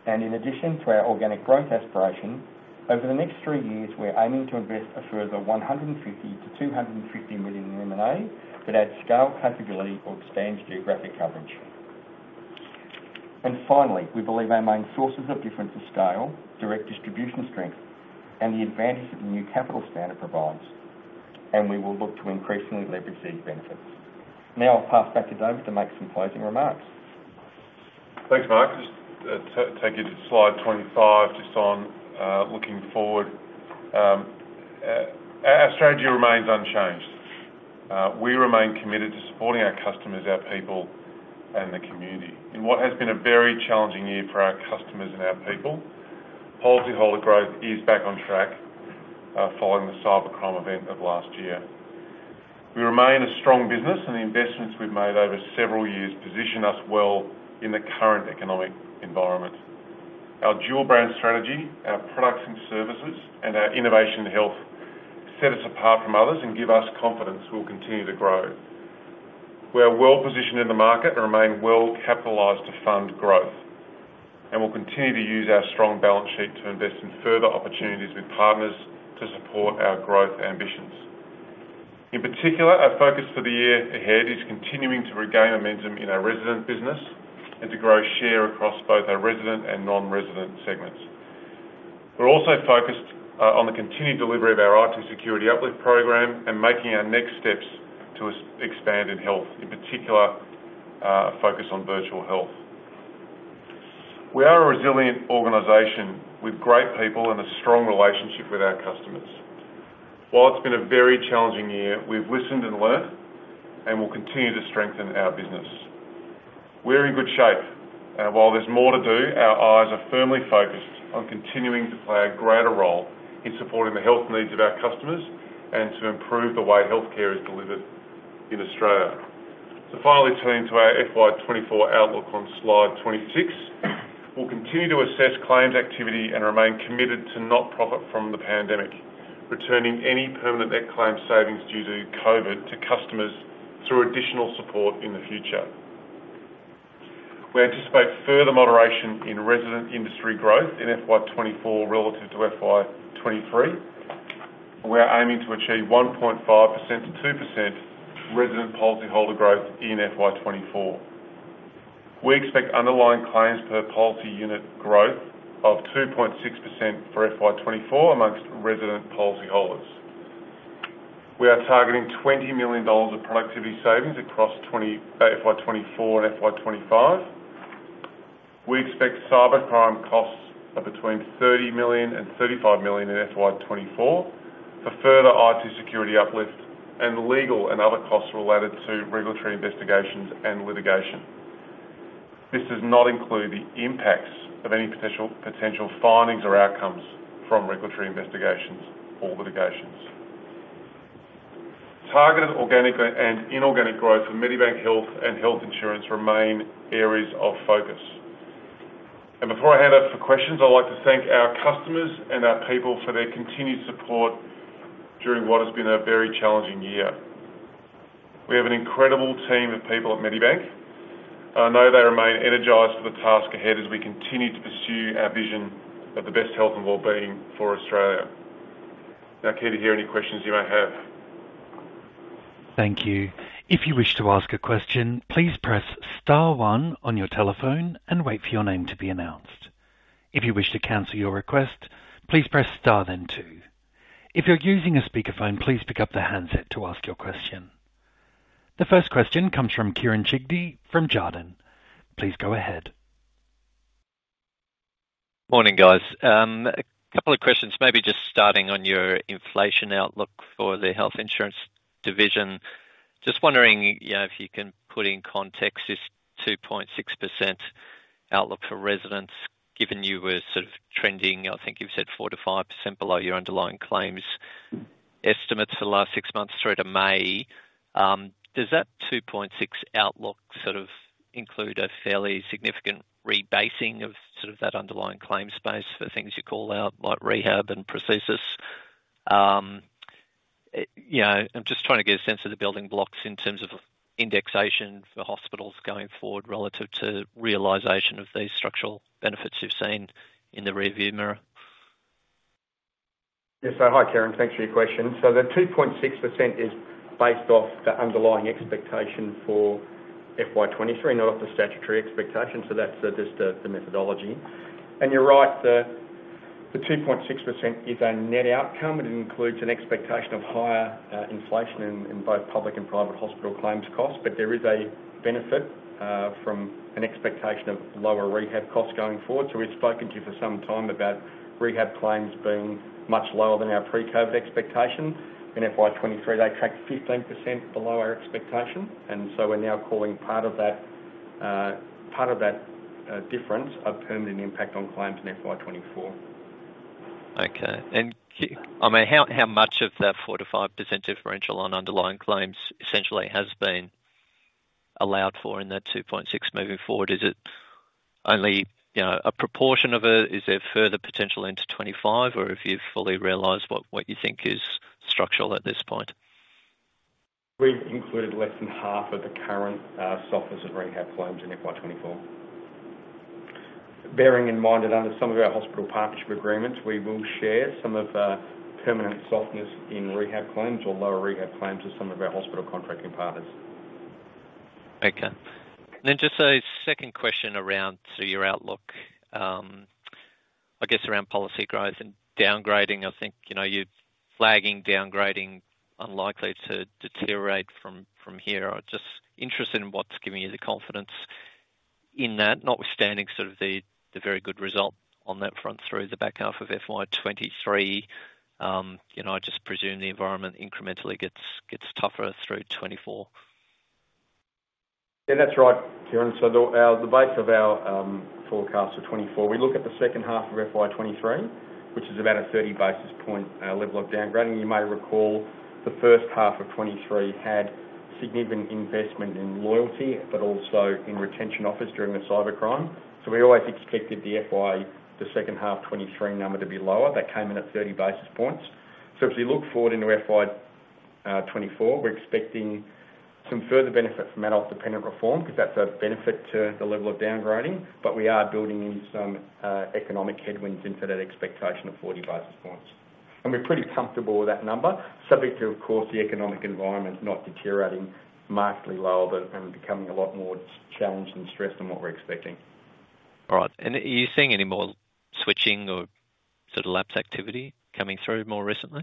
and in addition to our organic growth aspiration, over the next three years, we're aiming to invest a further 150 million-250 million in M&A that add scale, capability, or expand geographic coverage. Finally, we believe our main sources of difference are scale, direct distribution strength, and the advantages that the new capital standard provides, and we will look to increasingly leverage these benefits. Now I'll pass back to David to make some closing remarks. Thanks, Mark. Just take you to slide 25, just on looking forward. Our strategy remains unchanged. We remain committed to supporting our customers, our people, and the community. In what has been a very challenging year for our customers and our people, policyholder growth is back on track following the cyber attack of last year. We remain a strong business, the investments we've made over several years position us well in the current economic environment. Our dual brand strategy, our products and services, and our innovation in health set us apart from others and give us confidence we'll continue to grow. We are well positioned in the market and remain well capitalized to fund growth, and we'll continue to use our strong balance sheet to invest in further opportunities with partners to support our growth ambitions. In particular, our focus for the year ahead is continuing to regain momentum in our resident business and to grow share across both our resident and non-resident segments. We're also focused on the continued delivery of our IT security uplift program and making our next steps to expand in health, in particular, focus on virtual health. We are a resilient organization with great people and a strong relationship with our customers. While it's been a very challenging year, we've listened and learned, and we'll continue to strengthen our business. We're in good shape, and while there's more to do, our eyes are firmly focused on continuing to play a greater role in supporting the health needs of our customers and to improve the way healthcare is delivered in Australia. Finally, turning to our FY24 outlook on slide 26. We'll continue to assess claims activity and remain committed to not profit from the pandemic, returning any permanent net claims savings due to COVID to customers through additional support in the future. We anticipate further moderation in resident industry growth in FY24 relative to FY23. We are aiming to achieve 1.5%-2% resident policyholder growth in FY24. We expect underlying claims per policy unit growth of 2.6% for FY24 amongst resident policyholders. We are targeting 20 million dollars of productivity savings across FY24 and FY25. We expect cybercrime costs of between 30 million and 35 million in FY24 for further IT security uplifts and legal and other costs related to regulatory investigations and litigation. This does not include the impacts of any potential findings or outcomes from regulatory investigations or litigations. Targeted organic and inorganic growth for Medibank Health and Health Insurance remain areas of focus. Before I hand out for questions, I'd like to thank our customers and our people for their continued support during what has been a very challenging year. We have an incredible team of people at Medibank. I know they remain energized for the task ahead as we continue to pursue our vision of the best health and wellbeing for Australia. Now, I'm keen to hear any questions you may have. Thank you. If you wish to ask a question, please press star 1 on your telephone and wait for your name to be announced. If you wish to cancel your request, please press star, then 2. If you're using a speakerphone, please pick up the handset to ask your question. The first question comes from Kieren Chidgey from Jarden. Please go ahead. Morning, guys. A couple of questions, maybe just starting on your inflation outlook for the health insurance division. Just wondering, you know, if you can put in context this 2.6% outlook for residents, given you were sort of trending, I think you've said 4%-5% below your underlying claims estimates for the last 6 months through to May. Does that 2.6% outlook sort of include a fairly significant rebasing of sort of that underlying claim space for things you call out, like rehab and prosthesis? You know, I'm just trying to get a sense of the building blocks in terms of indexation for hospitals going forward relative to realization of these structural benefits you've seen in the rearview mirror. Yes. Hi, Kieran. Thanks for your question. The 2.6% is based off the underlying expectation for FY23, not off the statutory expectation. That's just the methodology. You're right, the 2.6% is a net outcome, and it includes an expectation of higher inflation in both public and private hospital claims costs. There is a benefit from an expectation of lower rehab costs going forward. We've spoken to you for some time about rehab claims being much lower than our pre-COVID expectations. In FY23, they tracked 15% below our expectation, we're now calling part of that part of that difference a permanent impact on claims in FY24. Okay. I mean, how, how much of that 4%-5% differential on underlying claims essentially has been allowed for in that 2.6 moving forward? Is it only, you know, a proportion of it? Is there further potential into 25, or have you fully realized what, what you think is structural at this point? We've included less than half of the current softness of rehab claims in FY24. Bearing in mind that under some of our hospital partnership agreements, we will share some of the permanent softness in rehab claims or lower rehab claims with some of our hospital contracting partners. Okay. Just a second question around, so your outlook, I guess around policy growth and downgrading. I think, you know, you're flagging, downgrading, unlikely to deteriorate from, from here. I'm just interested in what's giving you the confidence in that, notwithstanding sort of the, the very good result on that front through the back half of FY23. You know, I just presume the environment incrementally gets, gets tougher through 2024. Yeah, that's right, Kieran. The, our, the base of our forecast for 24, we look at the second half of FY 23, which is about a 30 basis point level of downgrading. You may recall the first half of 23 had significant investment in loyalty, but also in retention offers during the cybercrime. We always expected the FY, the second half 23 number to be lower. That came in at 30 basis points. If you look forward into FY 24, we're expecting some further benefit from adult dependent reform, because that's a benefit to the level of downgrading. We are building in some economic headwinds into that expectation of 40 basis points. We're pretty comfortable with that number, subject to, of course, the economic environment not deteriorating markedly lower and becoming a lot more challenged and stressed than what we're expecting. All right. Are you seeing any more switching or sort of lapse activity coming through more recently?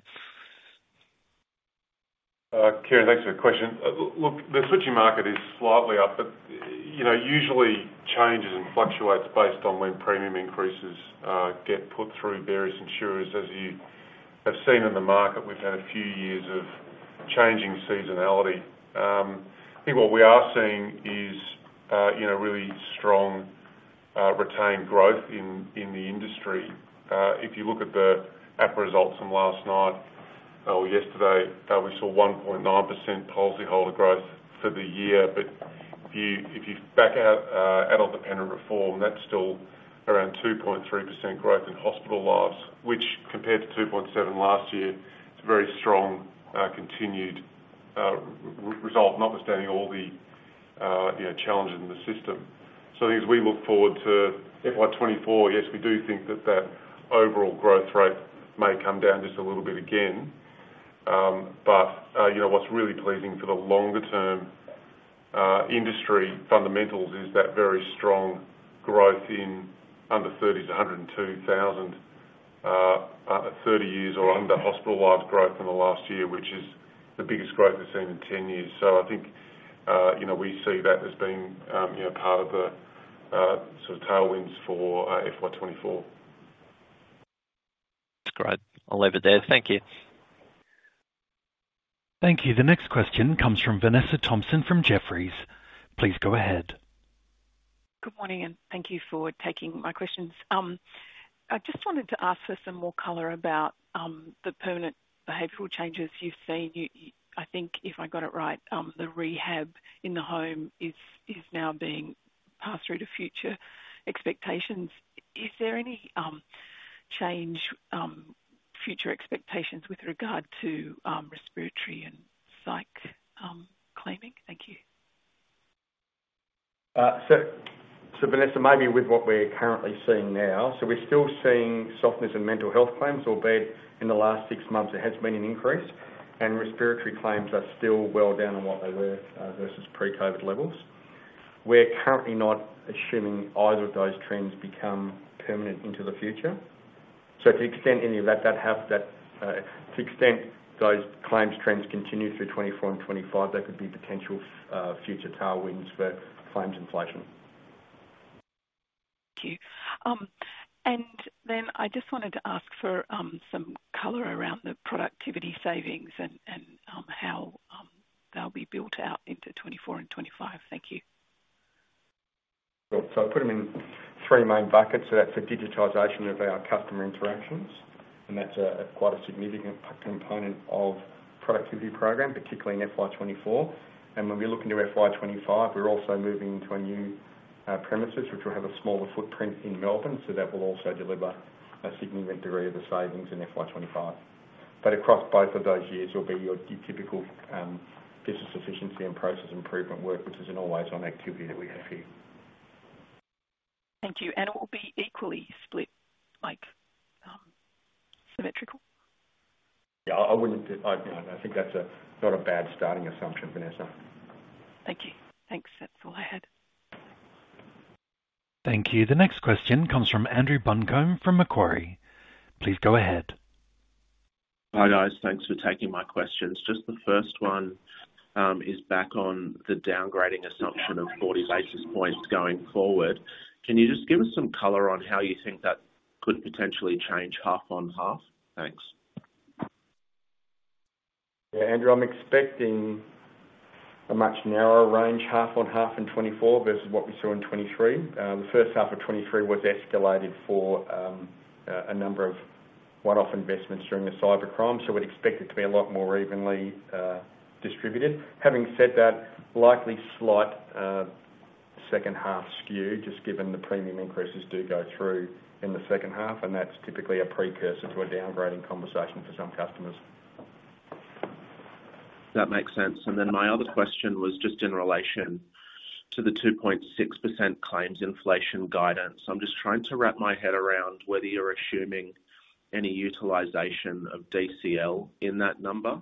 Kieran, thanks for the question. look, the switching market is slightly up, you know, usually changes and fluctuates based on when premium increases get put through various insurers. As you have seen in the market, we've had a few years of changing seasonality. I think what we are seeing is, you know, really strong retained growth in, in the industry. If you look at the APRA results from last night or yesterday, we saw 1.9% policyholder growth for the year. If you, if you back out adult dependent reform, that's still around 2.3% growth in hospital lives, which compared to 2.7% last year, it's a very strong continued result, notwithstanding all the, you know, challenges in the system. I think as we look forward to FY24, yes, we do think that that overall growth rate may come down just a little bit again. You know, what's really pleasing for the longer term, industry fundamentals is that very strong growth.... under 30s, 102,000 under 30 years or under hospital lives growth in the last year, which is the biggest growth we've seen in 10 years. I think, you know, we see that as being, you know, part of the sort of tailwinds for FY24. That's great. I'll leave it there. Thank you. Thank you. The next question comes from Vanessa Thomson from Jefferies. Please go ahead. Good morning, thank you for taking my questions. I just wanted to ask for some more color about the permanent behavioral changes you've seen. You, I think if I got it right, the rehab in the home is, is now being passed through to future expectations. Is there any change future expectations with regard to respiratory and psych claiming? Thank you. Vanessa, maybe with what we're currently seeing now, we're still seeing softness in mental health claims, albeit in the last six months, there has been an increase, and respiratory claims are still well down on what they were versus pre-COVID levels. We're currently not assuming either of those trends become permanent into the future. To extent those claims trends continue through 2024 and 2025, that could be potential future tailwinds for claims inflation. Thank you. I just wanted to ask for some color around the productivity savings and how they'll be built out into 2024 and 2025. Thank you. Sure. I put them in three main buckets. That's the digitization of our customer interactions, and that's a, quite a significant component of productivity program, particularly in FY24. When we look into FY25, we're also moving to a new premises, which will have a smaller footprint in Melbourne. That will also deliver a significant array of the savings in FY25. Across both of those years will be your, your typical business efficiency and process improvement work, which is an always-on activity that we have here. Thank you. It will be equally split, like, symmetrical? Yeah, I, I wouldn't I, you know, I think that's a not a bad starting assumption, Vanessa. Thank you. Thanks. That's all I had. Thank you. The next question comes from Andrew Buncombe from Macquarie. Please go ahead. Hi, guys. Thanks for taking my questions. Just the first one, is back on the downgrading assumption of 40 basis points going forward. Can you just give us some color on how you think that could potentially change half on half? Thanks. Yeah, Andrew, I'm expecting a much narrower range, half on half in 2024 versus what we saw in 2023. The first half of 2023 was escalated for a number of one-off investments during the cyber attack, so we'd expect it to be a lot more evenly distributed. Having said that, likely slight second half skew, just given the premium increases do go through in the second half, and that's typically a precursor to a downgrading conversation for some customers. That makes sense. My other question was just in relation to the 2.6% claims inflation guidance. I'm just trying to wrap my head around whether you're assuming any utilization of DCL in that number.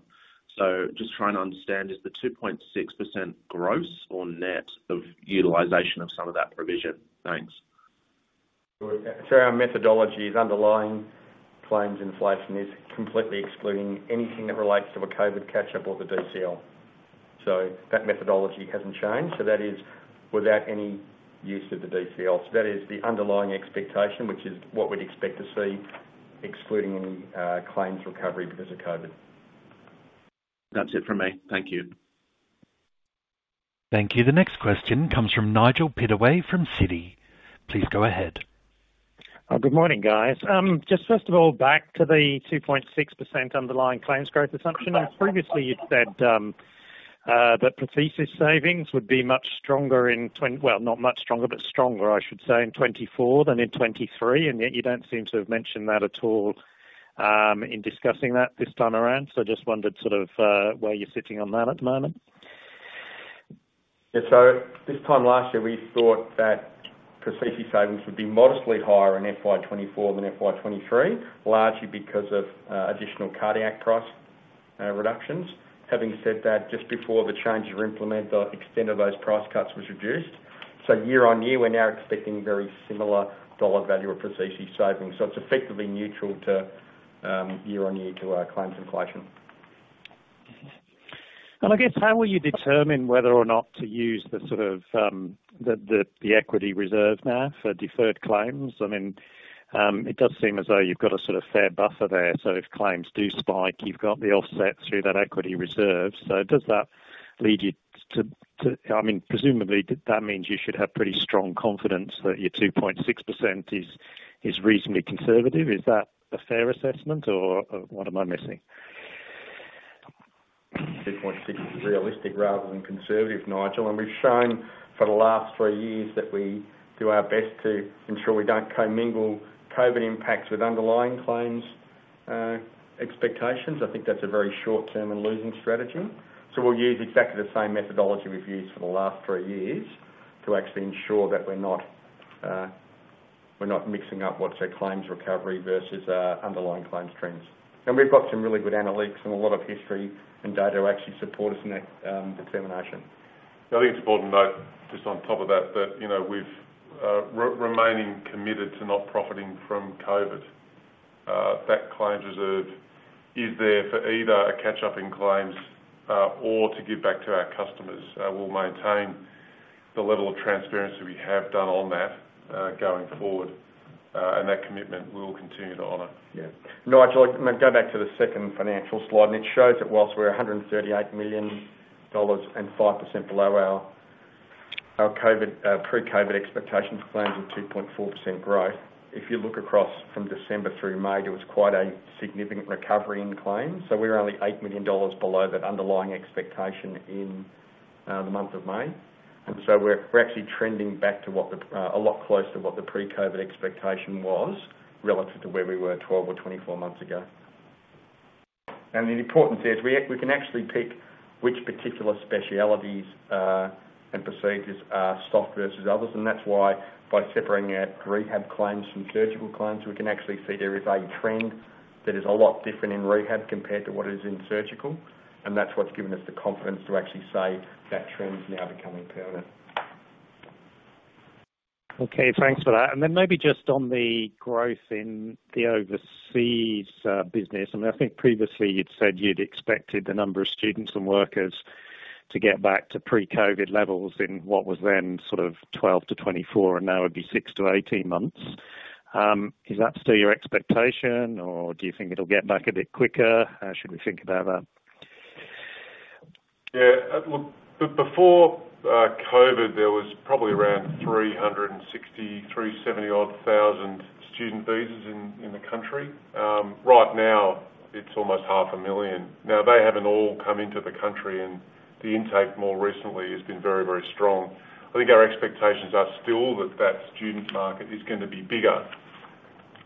Just trying to understand, is the 2.6% gross or net of utilization of some of that provision? Thanks. Good. Our methodology is underlying claims inflation is completely excluding anything that relates to a COVID catch-up or the DCL. That methodology hasn't changed. That is without any use of the DCL. That is the underlying expectation, which is what we'd expect to see, excluding any claims recovery because of COVID. That's it for me. Thank you. Thank you. The next question comes from Nigel Pittaway from Citi. Please go ahead. Good morning, guys. Just first of all, back to the 2.6% underlying claims growth assumption. Previously, you'd said that prosthesis savings would be much stronger in well, not much stronger, but stronger, I should say, in 2024 than in 2023, yet you don't seem to have mentioned that at all in discussing that this time around. I just wondered sort of where you're sitting on that at the moment? Yeah. This time last year, we thought that prosthesis savings would be modestly higher in FY24 than FY23, largely because of additional cardiac price reductions. Having said that, just before the changes were implemented, the extent of those price cuts was reduced. Year on year, we're now expecting very similar dollar value of prosthesis savings. It's effectively neutral to year on year to our claims inflation. I guess how will you determine whether or not to use the sort of, the equity reserve now for deferred claims? I mean, it does seem as though you've got a sort of fair buffer there, so if claims do spike, you've got the offset through that equity reserve. Does that lead you to... I mean, presumably, that means you should have pretty strong confidence that your 2.6% is, is reasonably conservative. Is that a fair assessment, or, what am I missing? 2.6% is realistic rather than conservative, Nigel. We've shown for the last three years that we do our best to ensure we don't commingle COVID impacts with underlying claims expectations. I think that's a very short-term and losing strategy. We'll use exactly the same methodology we've used for the last three years to actually ensure that we're not, we're not mixing up what's our claims recovery versus our underlying claims trends. We've got some really good analytics and a lot of history and data to actually support us in that determination.... I think it's important to note, just on top of that, that, you know, we've remaining committed to not profiting from COVID. That claims reserve is there for either a catch-up in claims or to give back to our customers. We'll maintain the level of transparency we have done on that going forward, and that commitment we will continue to honor. Yeah. Nigel, I, may go back to the second financial slide, and it shows that whilst we're 138 million dollars and 5% below our pre-COVID expectations, claims of 2.4% growth. If you look across from December through May, there was quite a significant recovery in claims. We're only 8 million dollars below that underlying expectation in the month of May. We're, we're actually trending back to what the, a lot closer to what the pre-COVID expectation was, relative to where we were 12 months or 24 months ago. The importance is we, we can actually pick which particular specialties, and procedures are soft versus others. That's why by separating out rehab claims from surgical claims, we can actually see there is a trend that is a lot different in rehab compared to what it is in surgical, and that's what's given us the confidence to actually say that trend's now becoming permanent. Okay, thanks for that. Then maybe just on the growth in the overseas business, I mean, I think previously you'd said you'd expected the number of students and workers to get back to pre-COVID levels in what was then sort of 12 months-24 months, and now it'd be 6 months-18 months. Is that still your expectation, or do you think it'll get back a bit quicker? How should we think about that? Yeah, look, before COVID, there was probably around 360 through 70-odd thousand student visas in the country. Right now, it's almost half a million. Now, they haven't all come into the country, and the intake more recently has been very, very strong. I think our expectations are still that that student market is going to be bigger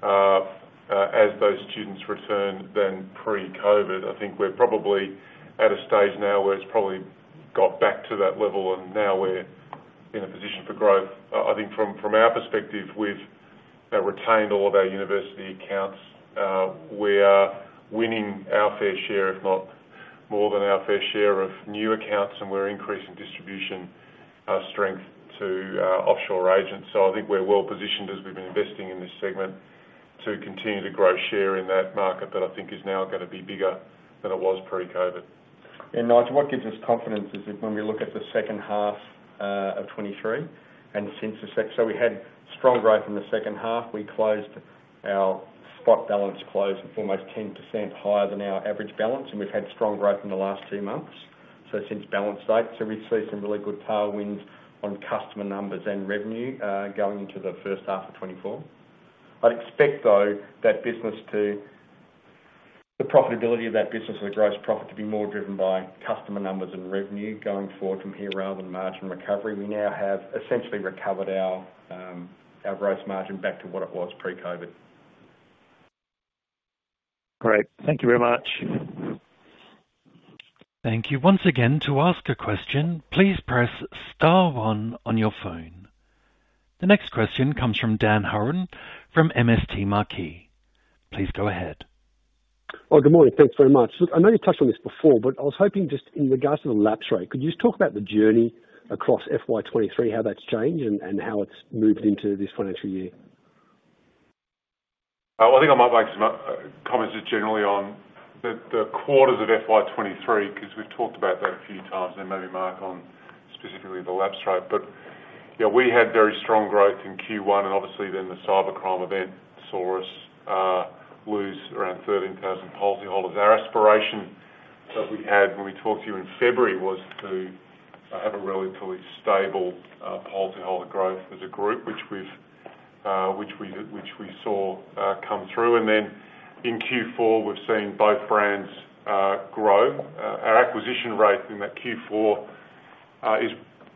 as those students return than pre-COVID. I think we're probably at a stage now where it's probably got back to that level, and now we're in a position for growth. I think from, from our perspective, we've retained all of our university accounts. We are winning our fair share, if not more than our fair share of new accounts, and we're increasing distribution strength to offshore agents. I think we're well positioned, as we've been investing in this segment, to continue to grow share in that market that I think is now gonna be bigger than it was pre-COVID. Nigel, what gives us confidence is that when we look at the second half of 2023, and since we had strong growth in the second half. We closed our spot balance close almost 10% higher than our average balance, and we've had strong growth in the last two months, so since balance date. We see some really good tailwinds on customer numbers and revenue going into the first half of 2024. I'd expect, though, that The profitability of that business or the gross profit to be more driven by customer numbers and revenue going forward from here, rather than margin recovery. We now have essentially recovered our gross margin back to what it was pre-COVID. Great. Thank you very much. Thank you once again. To ask a question, please press star one on your phone. The next question comes from Dan Hurren from MST Marquee. Please go ahead. Oh, good morning. Thanks very much. Look, I know you touched on this before, but I was hoping just in regards to the lapse rate, could you just talk about the journey across FY23, how that's changed and how it's moved into FY24? Well, I think I might make some comments just generally on the quarters of FY23, because we've talked about that a few times, and maybe Mark on specifically the lapse rate. Yeah, we had very strong growth in Q1, and obviously then the cyber attack saw us lose around 13,000 policyholders. Our aspiration that we had when we talked to you in February was to have a relatively stable policyholder growth as a group, which we saw come through. In Q4, we've seen both brands grow. Our acquisition rate in that Q4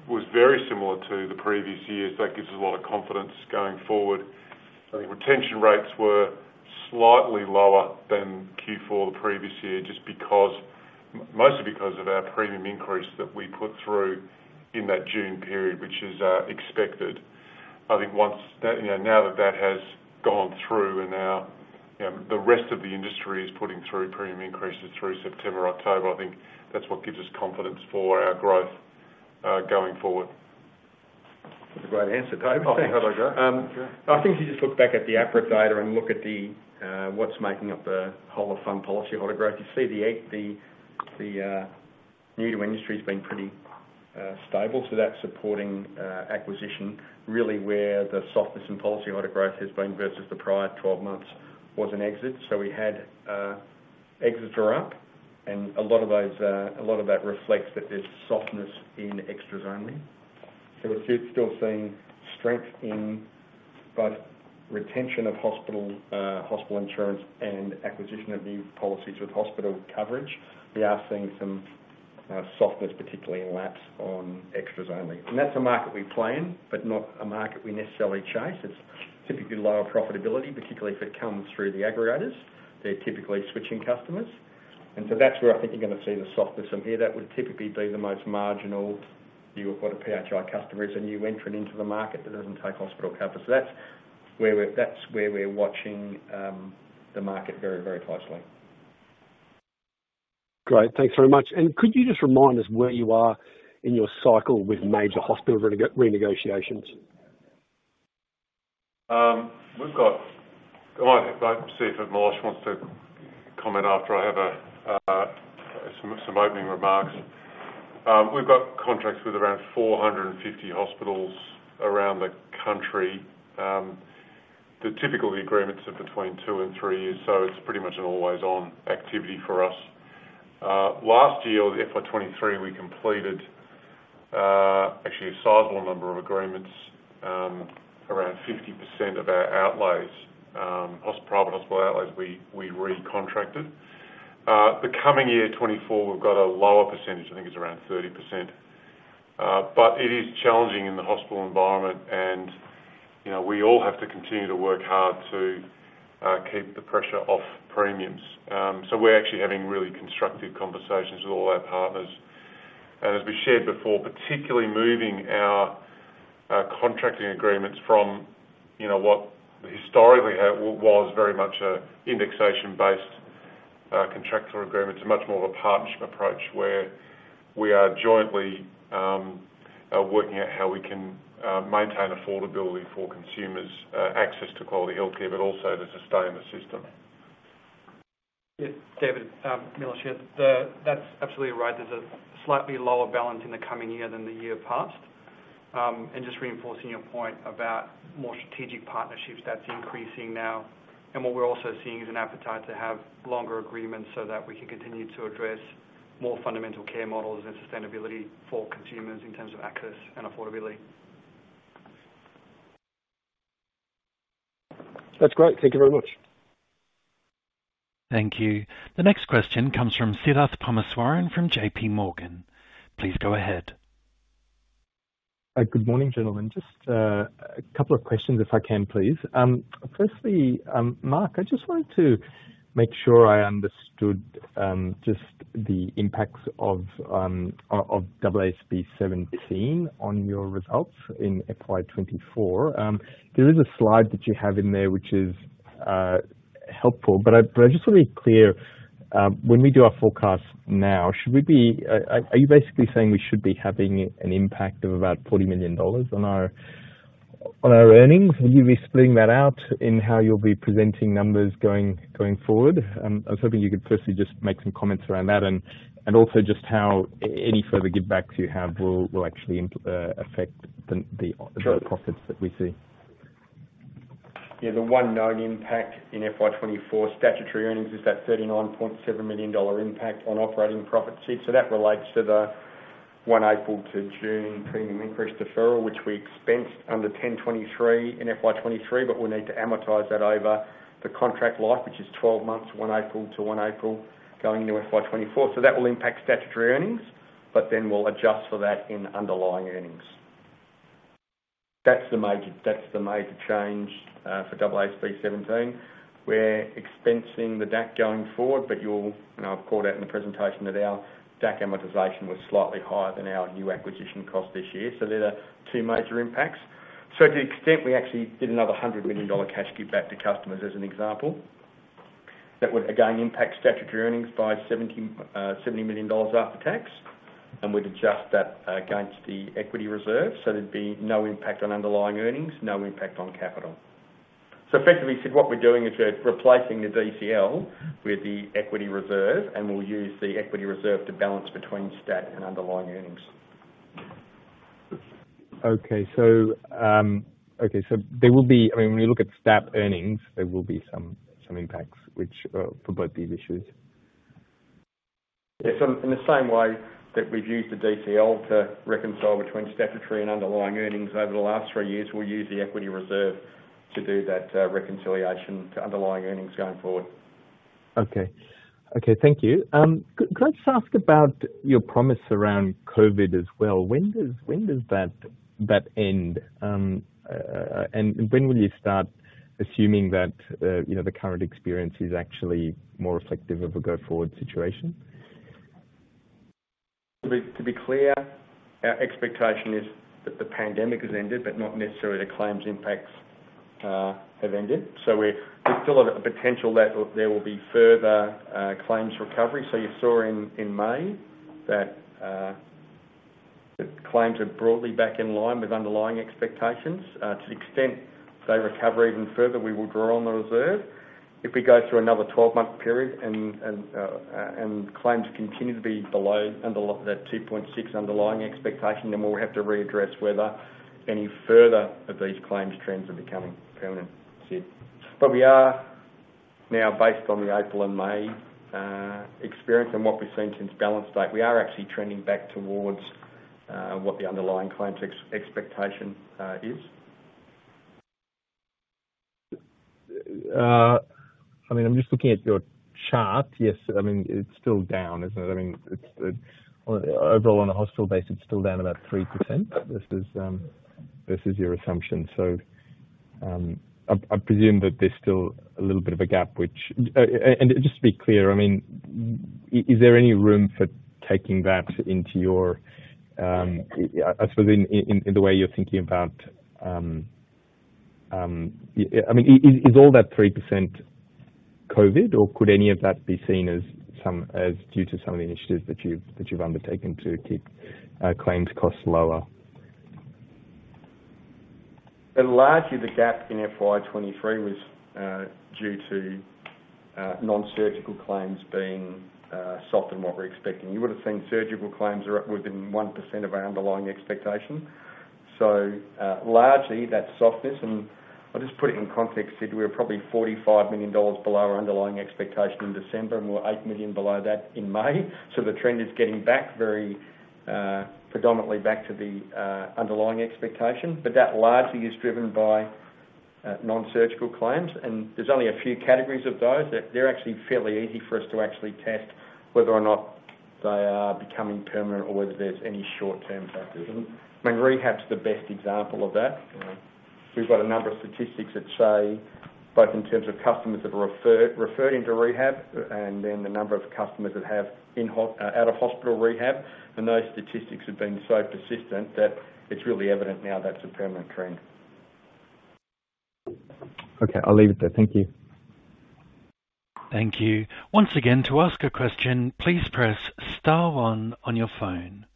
was very similar to the previous years. That gives us a lot of confidence going forward. I think retention rates were slightly lower than Q4 the previous year, just because, mostly because of our premium increase that we put through in that June period, which is expected. I think once that, you know, now that that has gone through and now, you know, the rest of the industry is putting through premium increases through September, October, I think that's what gives us confidence for our growth, going forward. That's a great answer, Toby. Oh, how'd I go? I think if you just look back at the APRA data and look at the what's making up the whole of fund policyholder growth, you see new to industry has been pretty stable, so that's supporting acquisition. Really where the softness in policyholder growth has been versus the prior 12 months was in exit. We had exits are up, and a lot of those, a lot of that reflects that there's softness in extras only. We're still, still seeing strength in both retention of hospital, hospital insurance and acquisition of new policies with hospital coverage. We are seeing some softness, particularly in lapse on extras only. That's a market we play in, but not a market we necessarily chase. It's typically lower profitability, particularly if it comes through the aggregators. They're typically switching customers, and so that's where I think you're going to see the softness. Here, that would typically be the most marginal new acquired PHI customers, a new entrant into the market that doesn't take hospital coverage. That's where we're, that's where we're watching the market very, very closely. Great, thanks very much. Could you just remind us where you are in your cycle with major hospital renegotiations? I see if Miles wants to comment after I have some opening remarks. We've got contracts with around 450 hospitals around the country. The typical agreements are between two and three years, so it's pretty much an always-on activity for us. Last year, FY23, we completed actually a sizable number of agreements, around 50% of our outlays, private hospital outlays, we recontracted. The coming year, 2024, we've got a lower percentage, I think it's around 30%. It is challenging in the hospital environment and, you know, we all have to continue to work hard to keep the pressure off premiums. We're actually having really constructive conversations with all our partners. As we shared before, particularly moving our contracting agreements from, you know, what historically was very much a indexation-based contractual agreement to much more of a partnership approach, where we are jointly working out how we can maintain affordability for consumers, access to quality healthcare, but also to sustain the system. Yeah, David, Milosh, that's absolutely right. There's a slightly lower balance in the coming year than the year past. Just reinforcing your point about more strategic partnerships, that's increasing now. What we're also seeing is an appetite to have longer agreements so that we can continue to address more fundamental care models and sustainability for consumers in terms of access and affordability. That's great. Thank you very much. Thank you. The next question comes from Siddharth Parameswaran from JP Morgan. Please go ahead. Good morning, gentlemen. Just a couple of questions, if I can, please. Firstly, Mark, I just wanted to make sure I understood just the impacts of AASB 17 on your results in FY24. There is a slide that you have in there which is helpful, but I, but I just want to be clear, when we do our forecast now, should we be... are you basically saying we should be having an impact of about 40 million dollars on our, on our earnings? Will you be splitting that out in how you'll be presenting numbers going, going forward? I was hoping you could firstly just make some comments around that, and also just how any further give back to you have will actually affect the... Sure. profits that we see. Yeah. The one known impact in FY24 statutory earnings is that 39.7 million dollar impact on operating profits. That relates to the 1 April to June premium increase deferral, which we expensed under 1023 in FY23, but we'll need to amortize that over the contract life, which is 12 months, 1 April to 1 April, going into FY24. That will impact statutory earnings, but then we'll adjust for that in underlying earnings. That's the major, that's the major change for AASB 17. We're expensing the DAC going forward. I've called out in the presentation that our DAC amortization was slightly higher than our new acquisition cost this year. There are the two major impacts. To the extent we actually did another 100 million dollar cash give back to customers as an example, that would again impact statutory earnings by 70 million dollars after tax, and we'd adjust that against the equity reserve. There'd be no impact on underlying earnings, no impact on capital. Effectively, Sid, what we're doing is we're replacing the DCL with the equity reserve, and we'll use the equity reserve to balance between stat and underlying earnings. Okay, okay, so there will be, I mean, when you look at stat earnings, there will be some, some impacts which for both these issues. Yes, in the same way that we've used the DCL to reconcile between statutory and underlying earnings over the last three years, we'll use the equity reserve to do that reconciliation to underlying earnings going forward. Okay. Okay, thank you. Can I just ask about your promise around COVID as well? When does that end? When will you start assuming that, you know, the current experience is actually more reflective of a go-forward situation? To be clear, our expectation is that the pandemic has ended, but not necessarily the claims impacts have ended. There's still a potential that there will be further claims recovery. You saw in May that claims are broadly back in line with underlying expectations. To the extent they recover even further, we will draw on the reserve. If we go through another 12-month period and claims continue to be below that 2.6 underlying expectation, then we'll have to readdress whether any further of these claims trends are becoming permanent, Sid. We are now, based on the April and May experience and what we've seen since balance date, we are actually trending back towards what the underlying claims expectation is. I mean, I'm just looking at your chart. Yes, I mean, it's still down, isn't it? I mean, it's overall, on a hospital base, it's still down about 3% versus versus your assumption. I, I presume that there's still a little bit of a gap, which... and just to be clear, I mean, is there any room for taking that into your I suppose in, in, in the way you're thinking about... I mean, is all that 3% COVID, or could any of that be seen as due to some of the initiatives that you've, that you've undertaken to keep claims costs lower? Largely, the gap in FY23 was due to non-surgical claims being softer than what we're expecting. You would've seen surgical claims are up within 1% of our underlying expectation. Largely, that softness, and I'll just put it in context, Sid, we're probably 45 million dollars below our underlying expectation in December, and we're 8 million below that in May. The trend is getting back very predominantly back to the underlying expectation. That largely is driven by non-surgical claims, and there's only a few categories of those, that they're actually fairly easy for us to actually test whether or not they are becoming permanent or whether there's any short-term factors. I mean, rehab's the best example of that. We've got a number of statistics that say, both in terms of customers that are referred, referred into rehab, and then the number of customers that have out of hospital rehab. Those statistics have been so persistent that it's really evident now that's a permanent trend. Okay, I'll leave it there. Thank you. Thank you. Once again, to ask a question, please press Star One on your phone.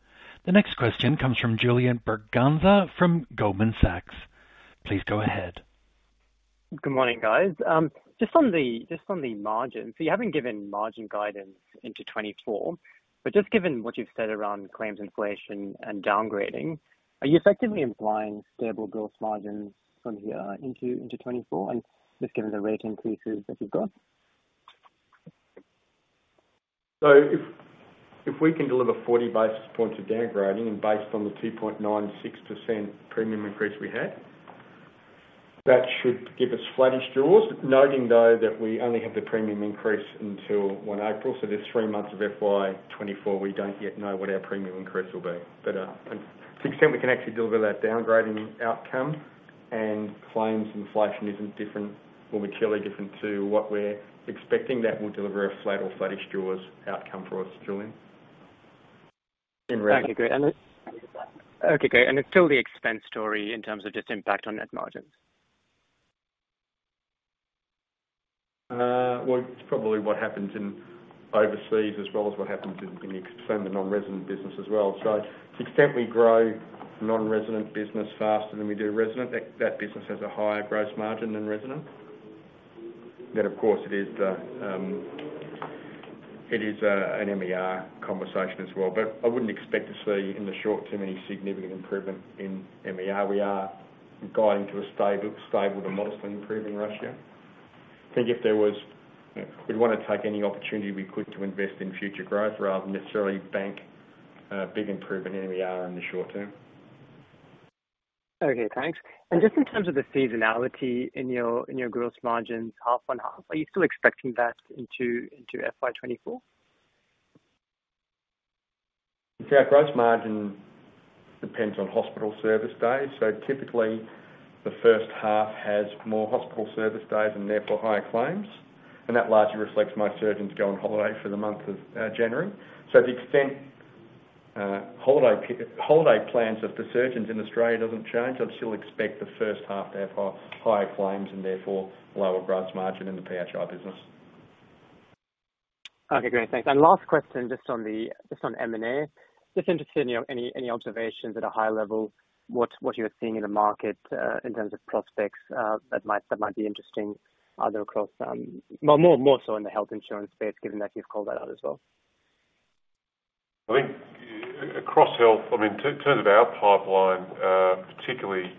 The next question comes from Julian Braganza from Goldman Sachs. Please go ahead. Good morning, guys. Just on the margins, you haven't given margin guidance into 2024. Just given what you've said around claims inflation and downgrading, are you effectively implying stable gross margins from here into, into 2024, and just given the rate increases that you've got? If, if we can deliver 40 basis points of downgrading and based on the 2.96% premium increase we had, that should give us flattish gross. Noting, though, that we only have the premium increase until April 1, so there's three months of FY24, we don't yet know what our premium increase will be. And to the extent we can actually deliver that downgrading outcome and claims inflation isn't different, or materially different to what we're expecting, that will deliver a flat or flattish gross outcome for us, Julian. Okay, great. It's still the expense story in terms of its impact on net margins? Well, it's probably what happens in overseas as well as what happens in, in the extended non-resident business as well. To the extent we grow non-resident business faster than we do resident, that, that business has a higher gross margin than resident. Of course, it is the, it is an MER conversation as well. I wouldn't expect to see, in the short term, any significant improvement in MER. We are guiding to a stable, stable to modestly improving ratio. I think if there was, we'd want to take any opportunity we could to invest in future growth rather than necessarily bank a big improvement in MER in the short term. Okay, thanks. Just in terms of the seasonality in your, in your gross margins, half on half, are you still expecting that into, into FY24? Our gross margin depends on hospital service days. Typically, the first half has more hospital service days and therefore higher claims. That largely reflects most surgeons go on holiday for the month of January. To the extent holiday plans of the surgeons in Australia doesn't change, I'd still expect the first half to have higher claims and therefore lower gross margin in the PHI business. Okay, great. Thanks. Last question, just on the, just on M&A. Just interested in your any observations at a high level, what you're seeing in the market in terms of prospects that might be interesting, either across... Well, more so in the health insurance space, given that you've called that out as well. I think across health, I mean, in terms of our pipeline, particularly,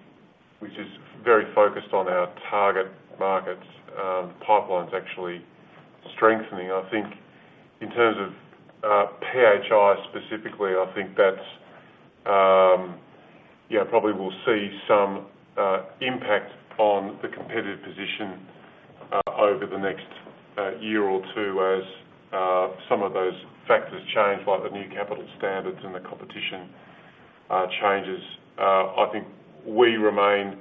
which is very focused on our target markets, pipeline's actually strengthening. I think in terms of PHI specifically, I think that's, yeah, probably we'll see some impact on the competitive position over the next year or two as some of those factors change, like the new capital standards and the competition changes. I think we remain,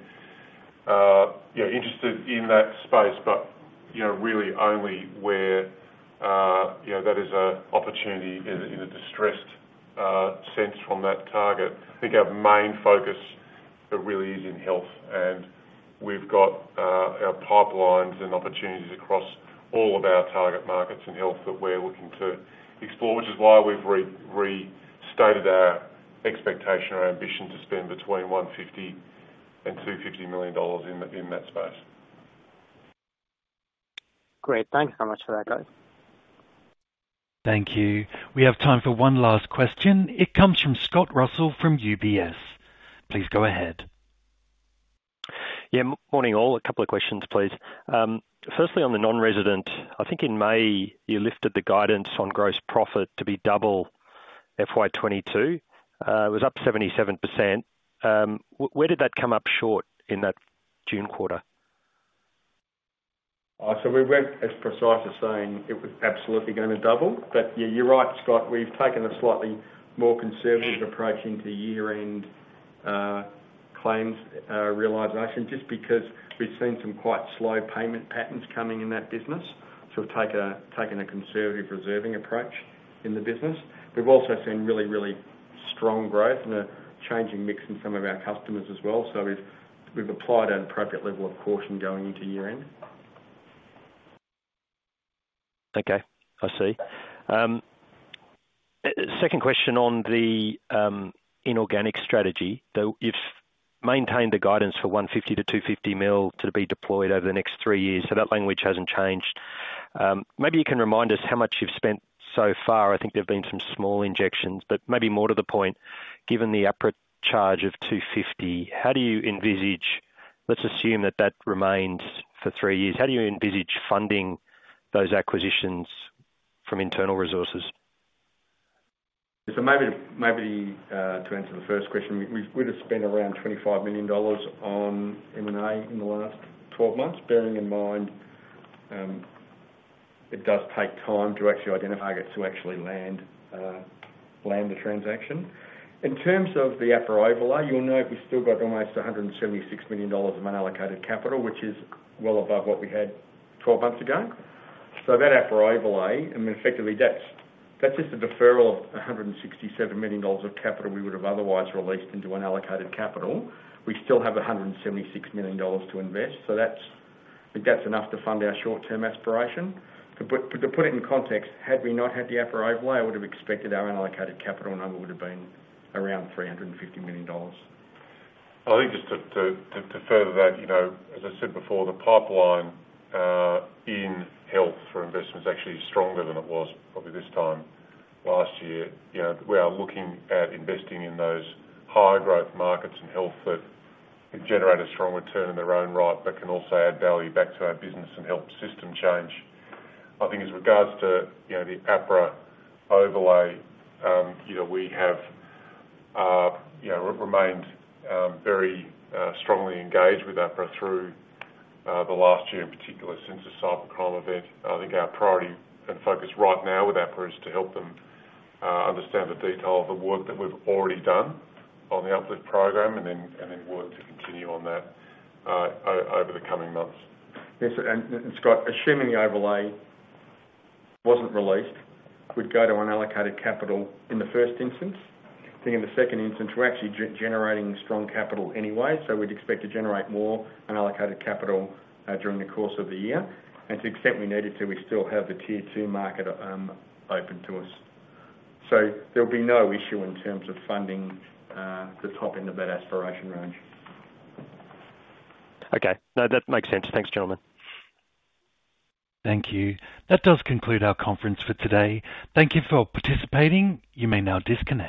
you know, interested in that space, but, you know, really only where, you know, that is a opportunity in a, in a distressed sense from that target. I think our main focus really is in health, and we've got our pipelines and opportunities across all of our target markets in health that we're looking to explore, which is why we've restated our expectation, our ambition, to spend between 150 million and 250 million dollars in that space. Great. Thank you so much for that, guys. Thank you. We have time for one last question. It comes from Scott Russell from UBS. Please go ahead. Yeah, Morning, all. A couple of questions, please. Firstly, on the non-resident, I think in May, you lifted the guidance on gross profit to be double FY 2022. It was up 77%. Where did that come up short in that June quarter? We went as precise as saying it was absolutely going to double. Yeah, you're right, Scott, we've taken a slightly more conservative approach into year-end, claims, realization, just because we've seen some quite slow payment patterns coming in that business. We've taken a conservative reserving approach in the business. We've also seen really, really-... strong growth and a changing mix in some of our customers as well. We've applied an appropriate level of caution going into year-end. Okay, I see. Second question on the inorganic strategy, though, you've maintained the guidance for 150 million-250 million to be deployed over the next three years, so that language hasn't changed. Maybe you can remind us how much you've spent so far. I think there have been some small injections, but maybe more to the point, given the upper charge of 250 million, how do you envisage? Let's assume that that remains for three years. How do you envisage funding those acquisitions from internal resources? Maybe, maybe, to answer the first question, we, we would have spent around 25 million dollars on M&A in the last 12 months, bearing in mind, it does take time to actually identify it, to actually land, land the transaction. In terms of the APRA overlay, you'll know we've still got almost 176 million dollars of unallocated capital, which is well above what we had 12 months ago. That APRA overlay, I mean, effectively, that's, that's just a deferral of 167 million dollars of capital we would have otherwise released into unallocated capital. We still have 176 million dollars to invest, that's, that's enough to fund our short-term aspiration. To put it in context, had we not had the APRA overlay, I would have expected our unallocated capital number would have been around 350 million dollars. I think just to further that, you know, as I said before, the pipeline in health for investment is actually stronger than it was probably this time last year. You know, we are looking at investing in those higher growth markets in health that generate a strong return in their own right, but can also add value back to our business and help system change. I think as regards to, you know, the APRA overlay, you know, we have, you know, remained very strongly engaged with APRA through the last year, in particular, since the cyber attack event. I think our priority and focus right now with APRA is to help them understand the detail of the work that we've already done on the uplift program and then, and then work to continue on that over the coming months. Yes, Scott, assuming the overlay wasn't released, we'd go to unallocated capital in the first instance. I think in the second instance, we're actually generating strong capital anyway, so we'd expect to generate more unallocated capital during the course of the year, and to the extent we needed to, we still have the Tier 2 market open to us. There'll be no issue in terms of funding the top end of that aspiration range. Okay, no, that makes sense. Thanks, gentlemen. Thank you. That does conclude our conference for today. Thank you for participating. You may now disconnect.